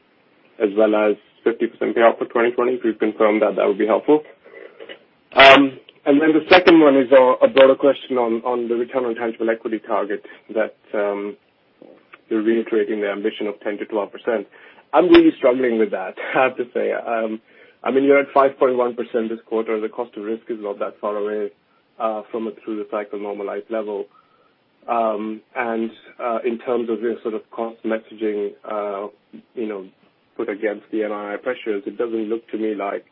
as well as 50% payout for 2020. If you confirm that would be helpful. The second one is a broader question on the return on tangible equity target that you're reiterating the ambition of 10%-12%. I'm really struggling with that, I have to say. You're at 5.1% this quarter. The cost of risk is not that far away through the cycle normalized level. In terms of your cost messaging put against the NII pressures, it doesn't look to me like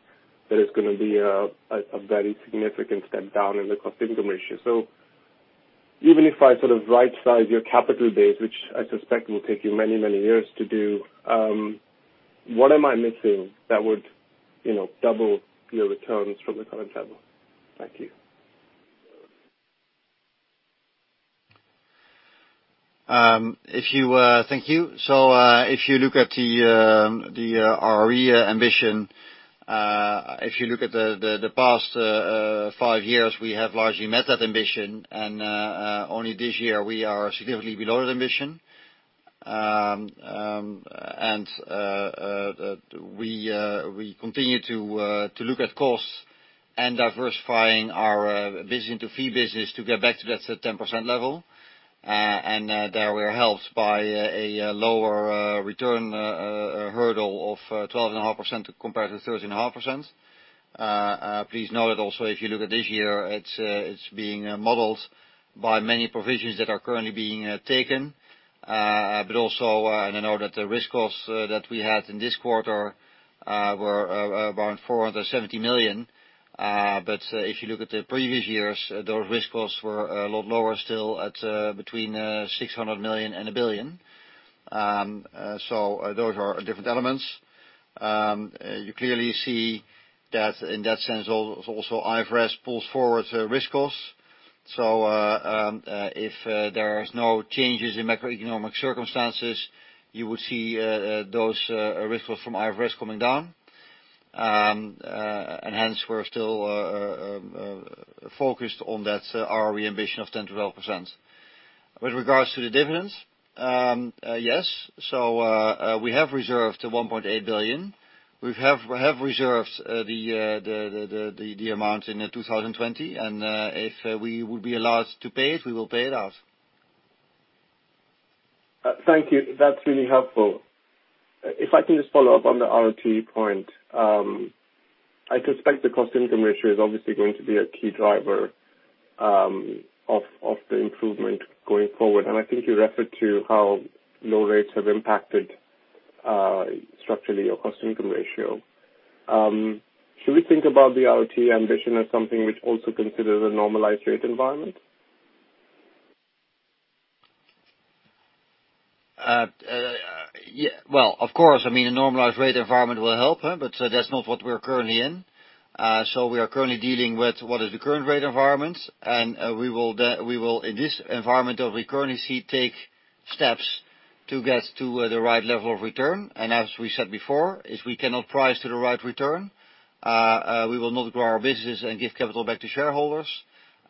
that it's going to be a very significant step down in the cost-income ratio. Even if I right size your capital base, which I suspect will take you many, many years to do, what am I missing that would double your returns from the current level? Thank you. Thank you. If you look at our ambition, if you look at the past five years, we have largely met that ambition, only this year we are significantly below the ambition. We continue to look at costs and diversifying our vision to fee business to get back to that 10% level. There we are helped by a lower return hurdle of 12.5% compared to 13.5%. Please note that also if you look at this year, it's being modeled by many provisions that are currently being taken. I know that the risk costs that we had in this quarter were around 470 million. If you look at the previous years, those risk costs were a lot lower still at between 600 million and 1 billion. Those are different elements. You clearly see that in that sense also IFRS pulls forward risk costs. If there are no changes in macroeconomic circumstances, you would see those risk costs from IFRS coming down. Hence we're still focused on that ROE ambition of 10% to 12%. With regards to the dividends, yes, we have reserved 1.8 billion. We have reserved the amount in 2020, if we would be allowed to pay it, we will pay it out. Thank you. That's really helpful. If I can just follow up on the ROTE point. I suspect the cost-income ratio is obviously going to be a key driver of the improvement going forward, and I think you referred to how low rates have impacted structurally your cost-income ratio. Should we think about the ROTE ambition as something which also considers a normalized rate environment? Of course, a normalized rate environment will help, but that's not what we're currently in. We are currently dealing with what is the current rate environment, and we will, in this environment that we currently see, take steps to get to the right level of return. As we said before, if we cannot price to the right return, we will not grow our business and give capital back to shareholders.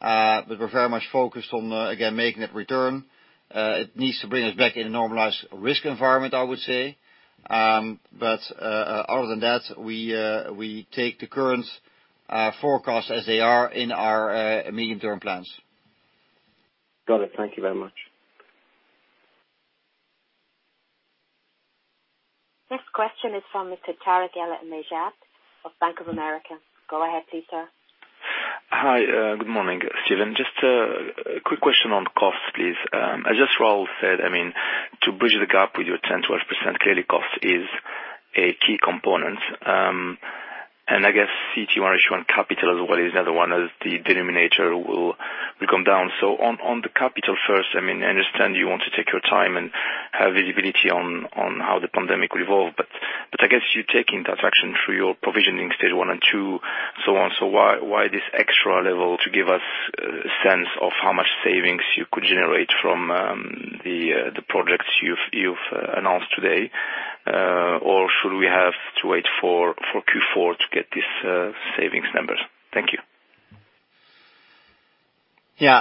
We're very much focused on, again, making that return. It needs to bring us back in a normalized risk environment, I would say. Other than that, we take the current forecasts as they are in our medium-term plans. Got it. Thank you very much. Next question is from Mr. Tarik El Mejjad of Bank of America. Go ahead please, sir. Hi. Good morning, Steven. Just a quick question on cost, please. As just Raul said, to bridge the gap with your 10%-12%, clearly cost is a key component. I guess CET1 ratio on capital as well is another one as the denominator will come down. On the capital first, I understand you want to take your time and have visibility on how the pandemic will evolve, I guess you're taking that action through your provisioning Stage 1 and Stage 2, so on. Why this extra level to give us a sense of how much savings you could generate from the projects you've announced today? Should we have to wait for Q4 to get these savings numbers? Thank you. Yeah.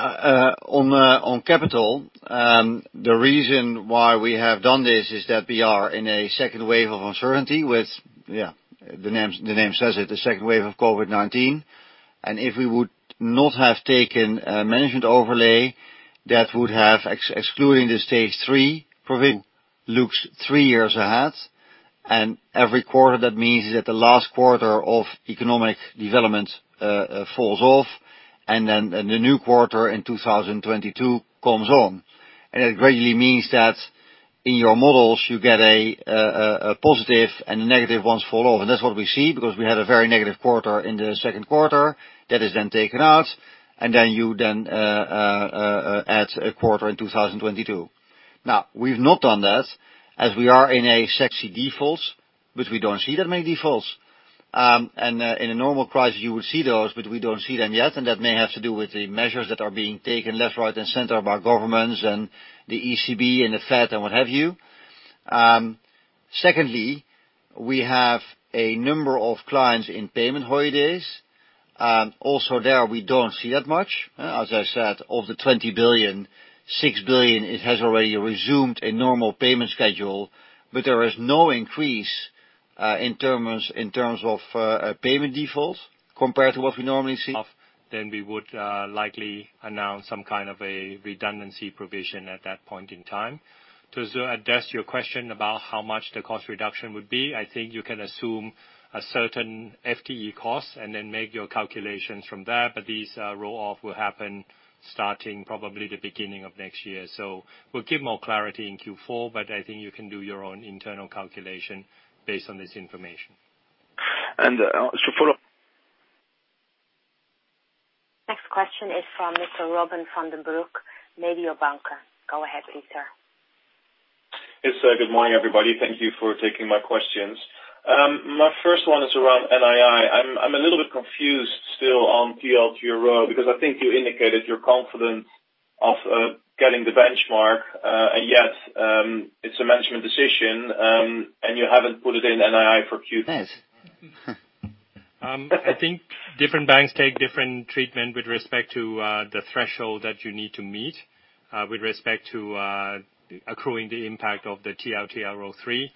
On capital, the reason why we have done this is that we are in a second wave of uncertainty with, the name says it, the second wave of COVID-19. If we would not have taken a management overlay, that would have, excluding the Stage 3, probably looks three years ahead. Every quarter, that means that the last quarter of economic development falls off. Then the new quarter in 2022 comes on. It gradually means that in your models, you get a positive and the negative ones fall off. That's what we see because we had a very negative quarter in the second quarter that is then taken out, then you then add a quarter in 2022. Now, we've not done that as we are in a set of defaults, but we don't see that many defaults. In a normal crisis, you would see those, but we don't see them yet, and that may have to do with the measures that are being taken left, right, and center by governments and the ECB and the Fed and what have you. Secondly, we have a number of clients in payment holidays. Also there, we don't see that much. As I said, of the 20 billion, 6 billion, it has already resumed a normal payment schedule. There is no increase in terms of payment defaults compared to what we normally see. We would likely announce some kind of a redundancy provision at that point in time. To address your question about how much the cost reduction would be, I think you can assume a certain FTE cost and then make your calculations from there, but these roll-off will happen starting probably the beginning of next year. We'll give more clarity in Q4, but I think you can do your own internal calculation based on this information. To follow up. Next question is from Mr. Robin van den Broek, Mediobanca. Go ahead, Peter. Yes, sir. Good morning, everybody. Thank you for taking my questions. My first one is around NII. I'm a little bit confused still on TLTRO because I think you indicated you're confident of getting the benchmark, and yet, it's a management decision, and you haven't put it in NII for Q4. Yes. I think different banks take different treatment with respect to the threshold that you need to meet with respect to accruing the impact of the TLTRO3.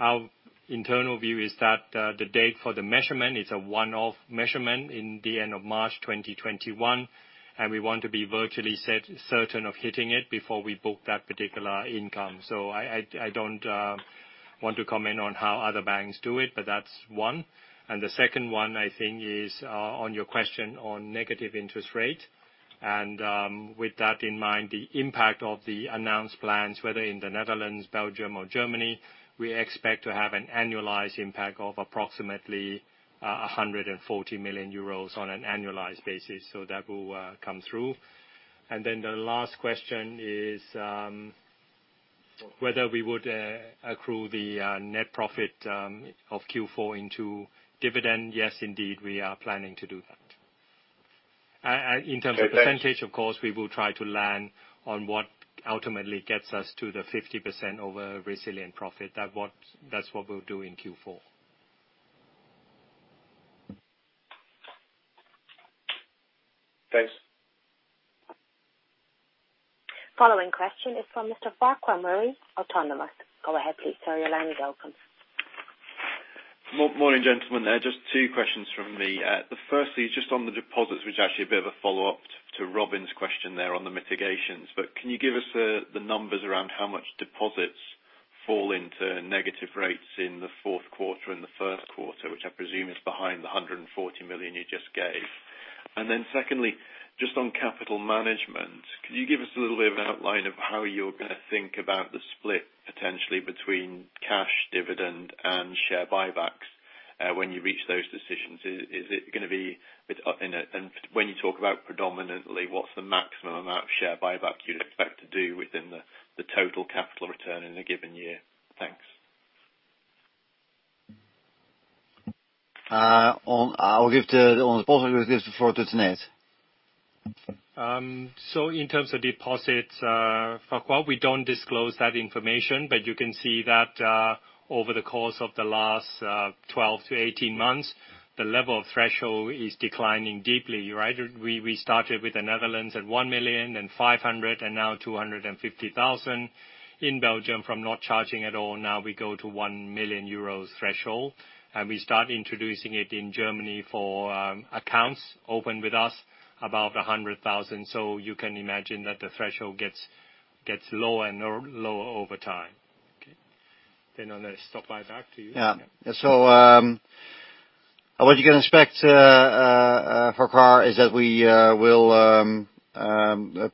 Our internal view is that, the date for the measurement, it's a one-off measurement in the end of March 2021, and we want to be virtually certain of hitting it before we book that particular income. I don't want to comment on how other banks do it, but that's one. The second one, I think, is on your question on negative interest rate. With that in mind, the impact of the announced plans, whether in the Netherlands, Belgium or Germany, we expect to have an annualized impact of approximately 140 million euros on an annualized basis. That will come through. The last question is whether we would accrue the net profit of Q4 into dividend. Yes, indeed, we are planning to do that. Okay, thanks. Of course, we will try to land on what ultimately gets us to the 50% over resilient profit. That's what we'll do in Q4. Thanks. Following question is from Mr. Farquhar Murray, Autonomous. Go ahead, please sir. Your line is open. Morning, gentlemen. Just two questions from me. The first is just on the deposits, which is actually a bit of a follow-up to Robin's question there on the mitigations. Can you give us the numbers around how much deposits fall into negative rates in the fourth quarter and the first quarter, which I presume is behind the 140 million you just gave. Then secondly, just on capital management, can you give us a little bit of an outline of how you're going to think about the split potentially between cash dividend and share buybacks, when you reach those decisions? When you talk about predominantly, what's the maximum amount of share buyback you'd expect to do within the total capital return in a given year? Thanks. On deposits, I'll give the floor to Tanate. In terms of deposits, Farquhar, we don't disclose that information, but you can see that over the course of the last 12-18 months, the level of threshold is declining deeply, right? We started with the Netherlands at 1 million, then 500,000, and now 250,000. In Belgium, from not charging at all, now we go to 1 million euros threshold. We start introducing it in Germany for accounts opened with us above 100,000. You can imagine that the threshold gets lower and lower over time. Okay. On the stock buyback to you. Yeah. What you can expect, Farquhar, is that we will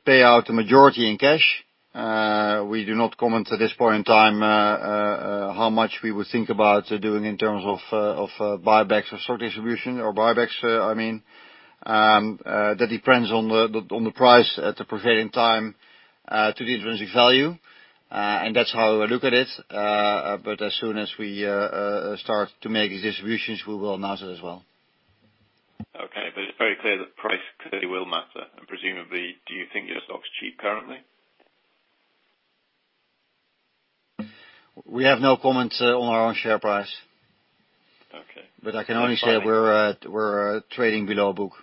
pay out the majority in cash. We do not comment at this point in time how much we would think about doing in terms of buybacks or stock distribution or buybacks, I mean. That depends on the price at the prevailing time to the intrinsic value. That's how I look at it. As soon as we start to make distributions, we will announce it as well. Okay. It's very clear that price clearly will matter. Presumably, do you think your stock's cheap currently? We have no comment on our own share price. Okay. I can only say we're trading below book.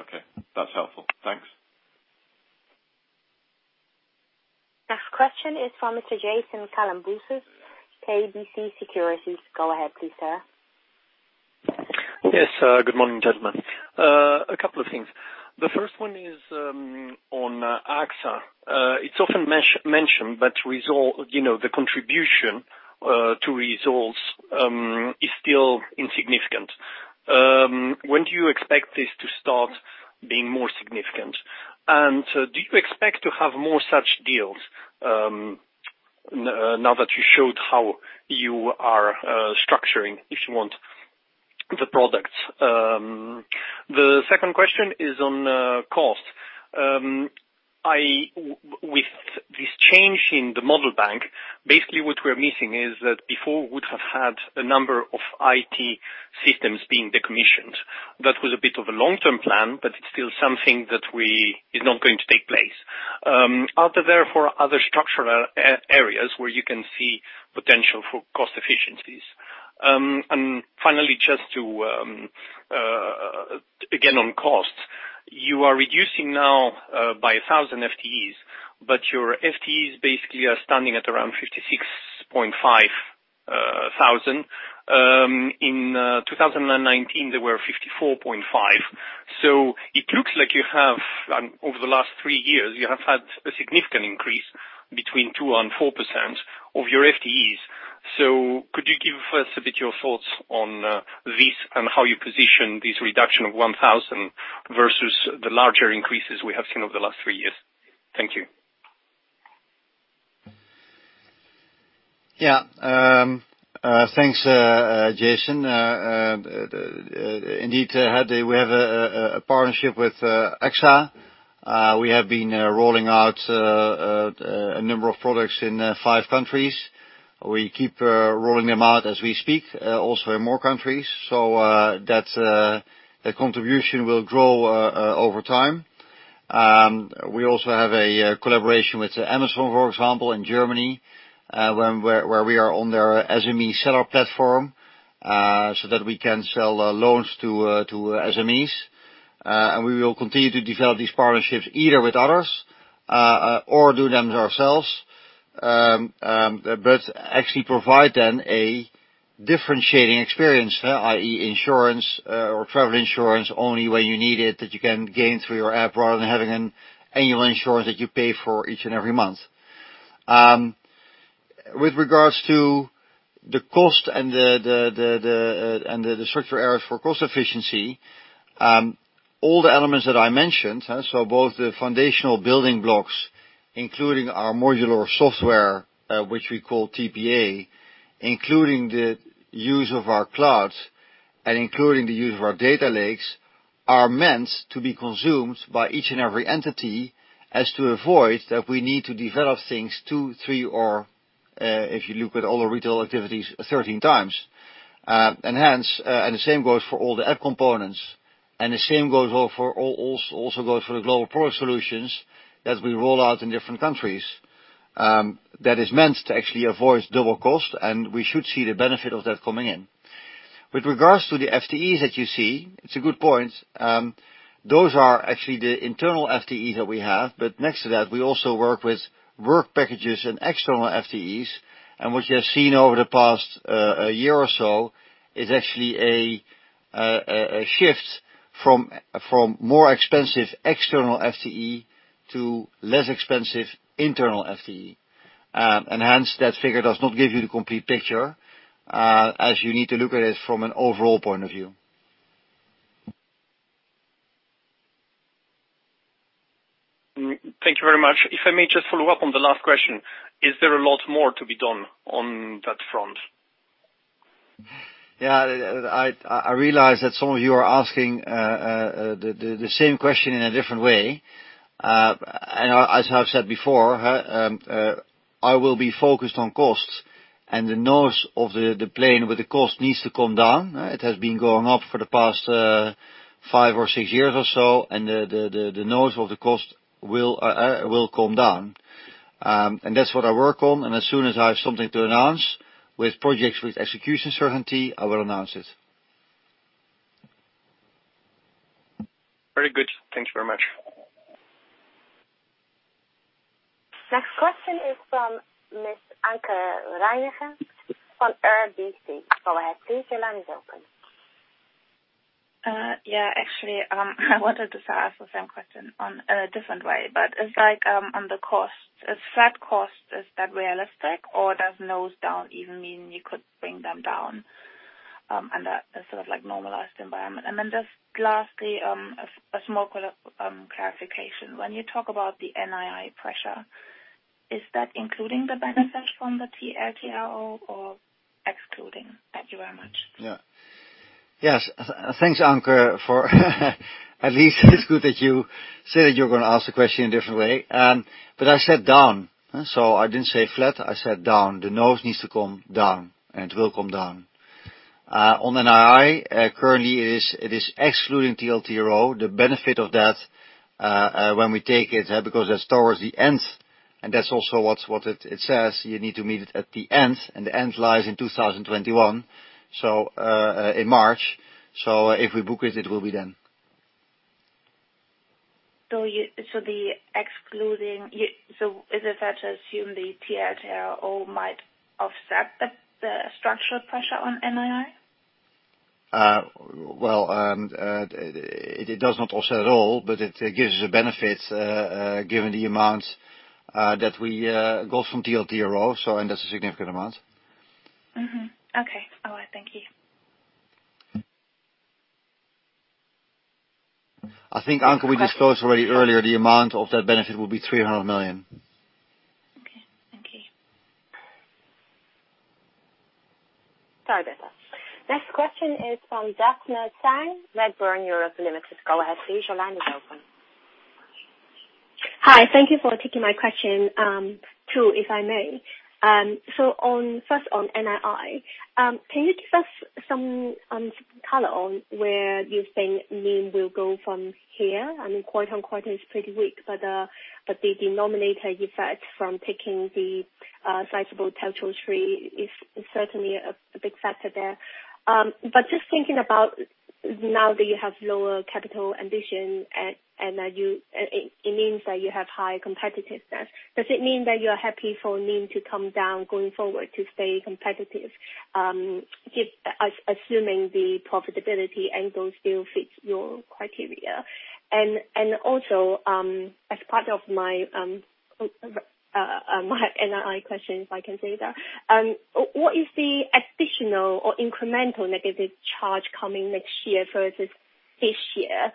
Okay. That's helpful. Thanks. Next question is from Mr. Jason Kalamboussis, KBC Securities. Go ahead, please sir. Yes. Good morning, gentlemen. A couple of things. The first one is on AXA. It's often mentioned, but the contribution to results is still insignificant. Do you expect this to start being more significant? Do you expect to have more such deals now that you showed how you are structuring, if you want, the products? The second question is on cost. With this change in the Model Bank, basically what we're missing is that before we would have had a number of IT systems being decommissioned. That was a bit of a long-term plan. It's still something that is not going to take place. Are there therefore other structural areas where you can see potential for cost efficiencies? Finally, just to, again, on costs. You are reducing now by 1,000 FTEs, but your FTEs basically are standing at around 56,500. In 2019, there were 54,500. It looks like you have, over the last three years, you have had a significant increase between 2% and 4% of your FTEs. Could you give us a bit your thoughts on this and how you position this reduction of 1,000 versus the larger increases we have seen over the last three years? Thank you. Yeah. Thanks, Jason. Indeed, we have a partnership with AXA. We have been rolling out a number of products in five countries. We keep rolling them out as we speak, also in more countries. That contribution will grow over time. We also have a collaboration with Amazon, for example, in Germany, where we are on their SME seller platform, so that we can sell loans to SMEs. We will continue to develop these partnerships either with others or do them ourselves, but actually provide then a differentiating experience, i.e., insurance or travel insurance only when you need it, that you can gain through your app rather than having an annual insurance that you pay for each and every month. With regards to the cost and the structural areas for cost efficiency, all the elements that I mentioned, so both the foundational building blocks, including our modular software, which we call TPA, including the use of our cloud and including the use of our data lakes, are meant to be consumed by each and every entity as to avoid that we need to develop things two, three or, if you look at all the retail activities, 13 times. The same goes for all the app components, the same also goes for the global product solutions as we roll out in different countries. That is meant to actually avoid double cost, and we should see the benefit of that coming in. With regards to the FTEs that you see, it's a good point. Those are actually the internal FTE that we have. Next to that, we also work with work packages and external FTEs. What you have seen over the past year or so is actually a shift from more expensive external FTE to less expensive internal FTE. Hence, that figure does not give you the complete picture, as you need to look at it from an overall point of view. Thank you very much. If I may just follow up on the last question, is there a lot more to be done on that front? Yeah. I realize that some of you are asking the same question in a different way. As I've said before, I will be focused on costs, and the nose of the plane with the cost needs to come down. It has been going up for the past five or six years or so, and the nose of the cost will come down. That's what I work on, and as soon as I have something to announce with projects with execution certainty, I will announce it. Very good. Thanks very much. Next question is from Miss Anke Reingen of RBC. Go ahead, please, your line is open. Yeah, actually, I wanted to ask the same question on a different way. It's like on the cost. Is flat cost, is that realistic or does nose down even mean you could bring them down under a sort of normalized environment? Just lastly, a small clarification. When you talk about the NII pressure, is that including the benefits from the TLTRO or excluding? Thank you very much. Yeah. Yes. Thanks, Anke, for at least it's good that you say that you're going to ask the question a different way. I said down. I didn't say flat, I said down. The nose needs to come down, and it will come down. NII, currently it is excluding TLTRO. The benefit of that, when we take it, because that's towards the end, and that's also what it says, you need to meet it at the end, and the end lies in 2021, so in March. If we book it will be then. Is it fair to assume the TLTRO might offset the structural pressure on NII? Well, it does not offset at all, but it gives a benefit given the amount that we got from TLTRO, and that's a significant amount. Mm-hmm. Okay. All right. Thank you. I think, Anke, we disclosed already earlier the amount of that benefit will be 300 million. Okay. Thank you. Sorry about that. Next question is from Daphne Tsang, Redburn Europe Limited. Go ahead please. Your line is open. Hi. Thank you for taking my question too, if I may. First on NII. Can you give us some color on where you think NIM will go from here? I mean, quarter-on-quarter is pretty weak, the denominator effect from taking the sizable TLTRO III is certainly a big factor there. Just thinking about now that you have lower capital ambition and it means that you have higher competitiveness, does it mean that you're happy for NIM to come down going forward to stay competitive, assuming the profitability angle still fits your criteria? Also, as part of my NII question, if I can say that, what is the additional or incremental negative charge coming next year versus this year?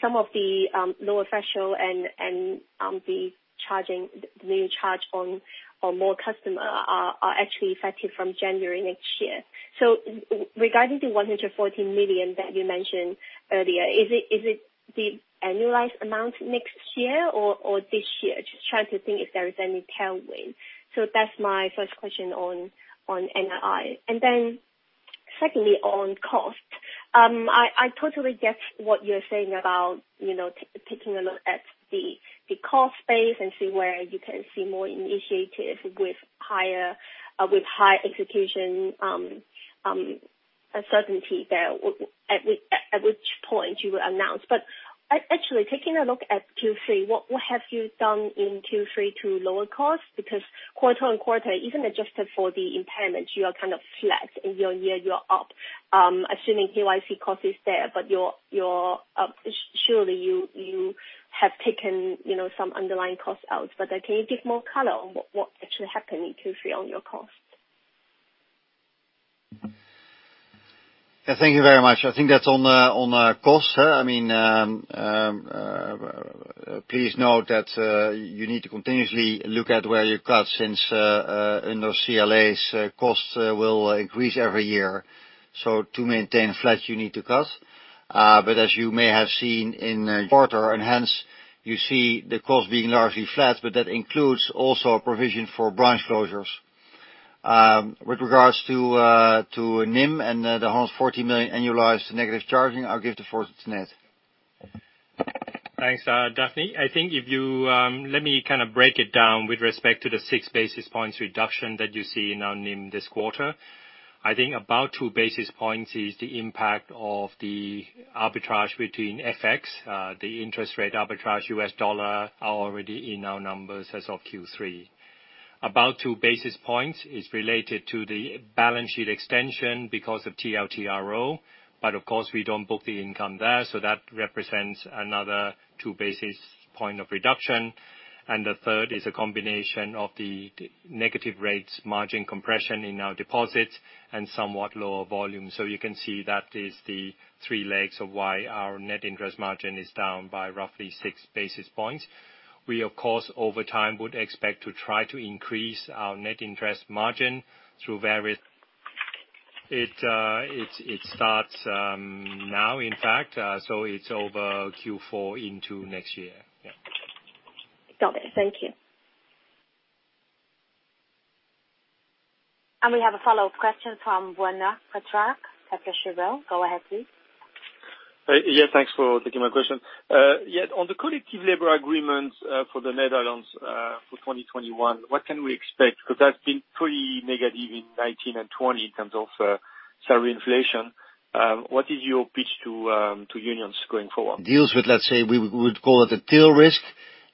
Some of the lower threshold and the new charge on more customers are actually effective from January next year. Regarding the 140 million that you mentioned earlier, is it the annualized amount next year or this year? Just trying to think if there is any tailwind. Secondly, on cost. I totally get what you're saying about taking a look at the cost base and see where you can see more initiative with high execution uncertainty there, at which point you will announce. Actually, taking a look at Q3, what have you done in Q3 to lower costs? Quarter-over-quarter, even adjusted for the impairment, you are kind of flat. Year-over-year, you're up. Assuming KYC cost is there, but surely you have taken some underlying costs out. Can you give more color on what actually happened in Q3 on your costs? Yeah, thank you very much. I think that's on cost. Please note that you need to continuously look at where you cut since in those CLAs, costs will increase every year. To maintain flat, you need to cut. As you may have seen in the quarter, and hence you see the cost being largely flat, but that includes also a provision for branch closures. With regards to NIM and the 140 million annualized negative charging, I'll give it to Tanate. Thanks, Daphne. I think if you let me break it down with respect to the 6 basis points reduction that you see in our NIM this quarter. I think about 2 basis points is the impact of the arbitrage between FX, the interest rate arbitrage, U.S. dollar are already in our numbers as of Q3. About 2 basis points is related to the balance sheet extension because of TLTRO. Of course, we don't book the income there, so that represents another 2 basis point of reduction. The third is a combination of the negative rates margin compression in our deposits and somewhat lower volume. You can see that is the three legs of why our net interest margin is down by roughly 6 basis points. We, of course, over time, would expect to try to increase our net interest margin through various. It's over Q4 into next year. Yeah. Got it. Thank you. We have a follow-up question from Benoit Pétrarque, Kepler Cheuvreux. Go ahead, please. Yes, thanks for taking my question. On the collective labor agreement for the Netherlands for 2021, what can we expect? That's been pretty negative in 2019 and 2020 in terms of salary inflation. What is your pitch to unions going forward? Deals with, let's say, we would call it a tail risk.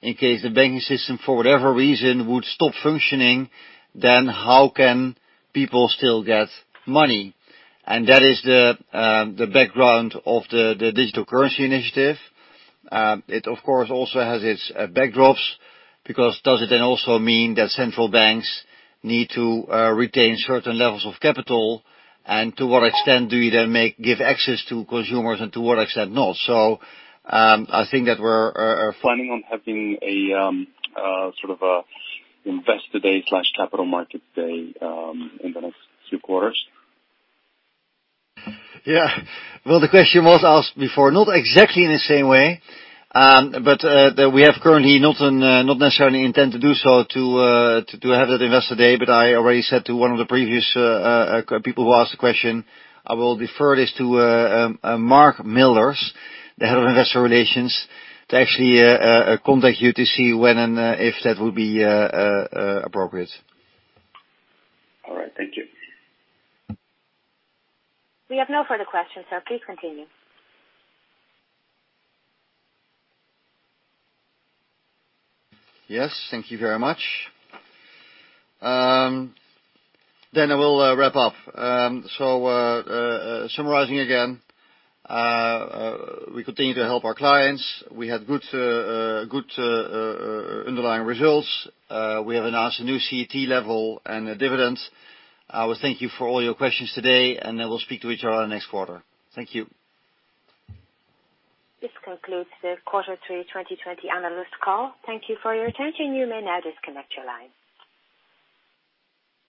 In case the banking system, for whatever reason, would stop functioning, how can people still get money? That is the background of the digital currency initiative. It, of course, also has its backdrops, because does it also mean that central banks need to retain certain levels of capital? To what extent do you give access to consumers and to what extent not? I think that we're- Planning on having a sort of investor day/capital market day in the next two quarters. Yeah. Well, the question was asked before, not exactly in the same way. We have currently not necessarily intend to do so to have that investor day. I already said to one of the previous people who asked the question, I will defer this to Mark Milders, the Head of Investor Relations, to actually contact you to see when and if that would be appropriate. All right. Thank you. We have no further questions, sir. Please continue. Yes, thank you very much. I will wrap up. Summarizing again, we continue to help our clients. We had good underlying results. We have announced a new CET1 level and a dividend. I would thank you for all your questions today. We'll speak to each other next quarter. Thank you. This concludes the quarter three 2020 analyst call. Thank you for your attention. You may now disconnect your line.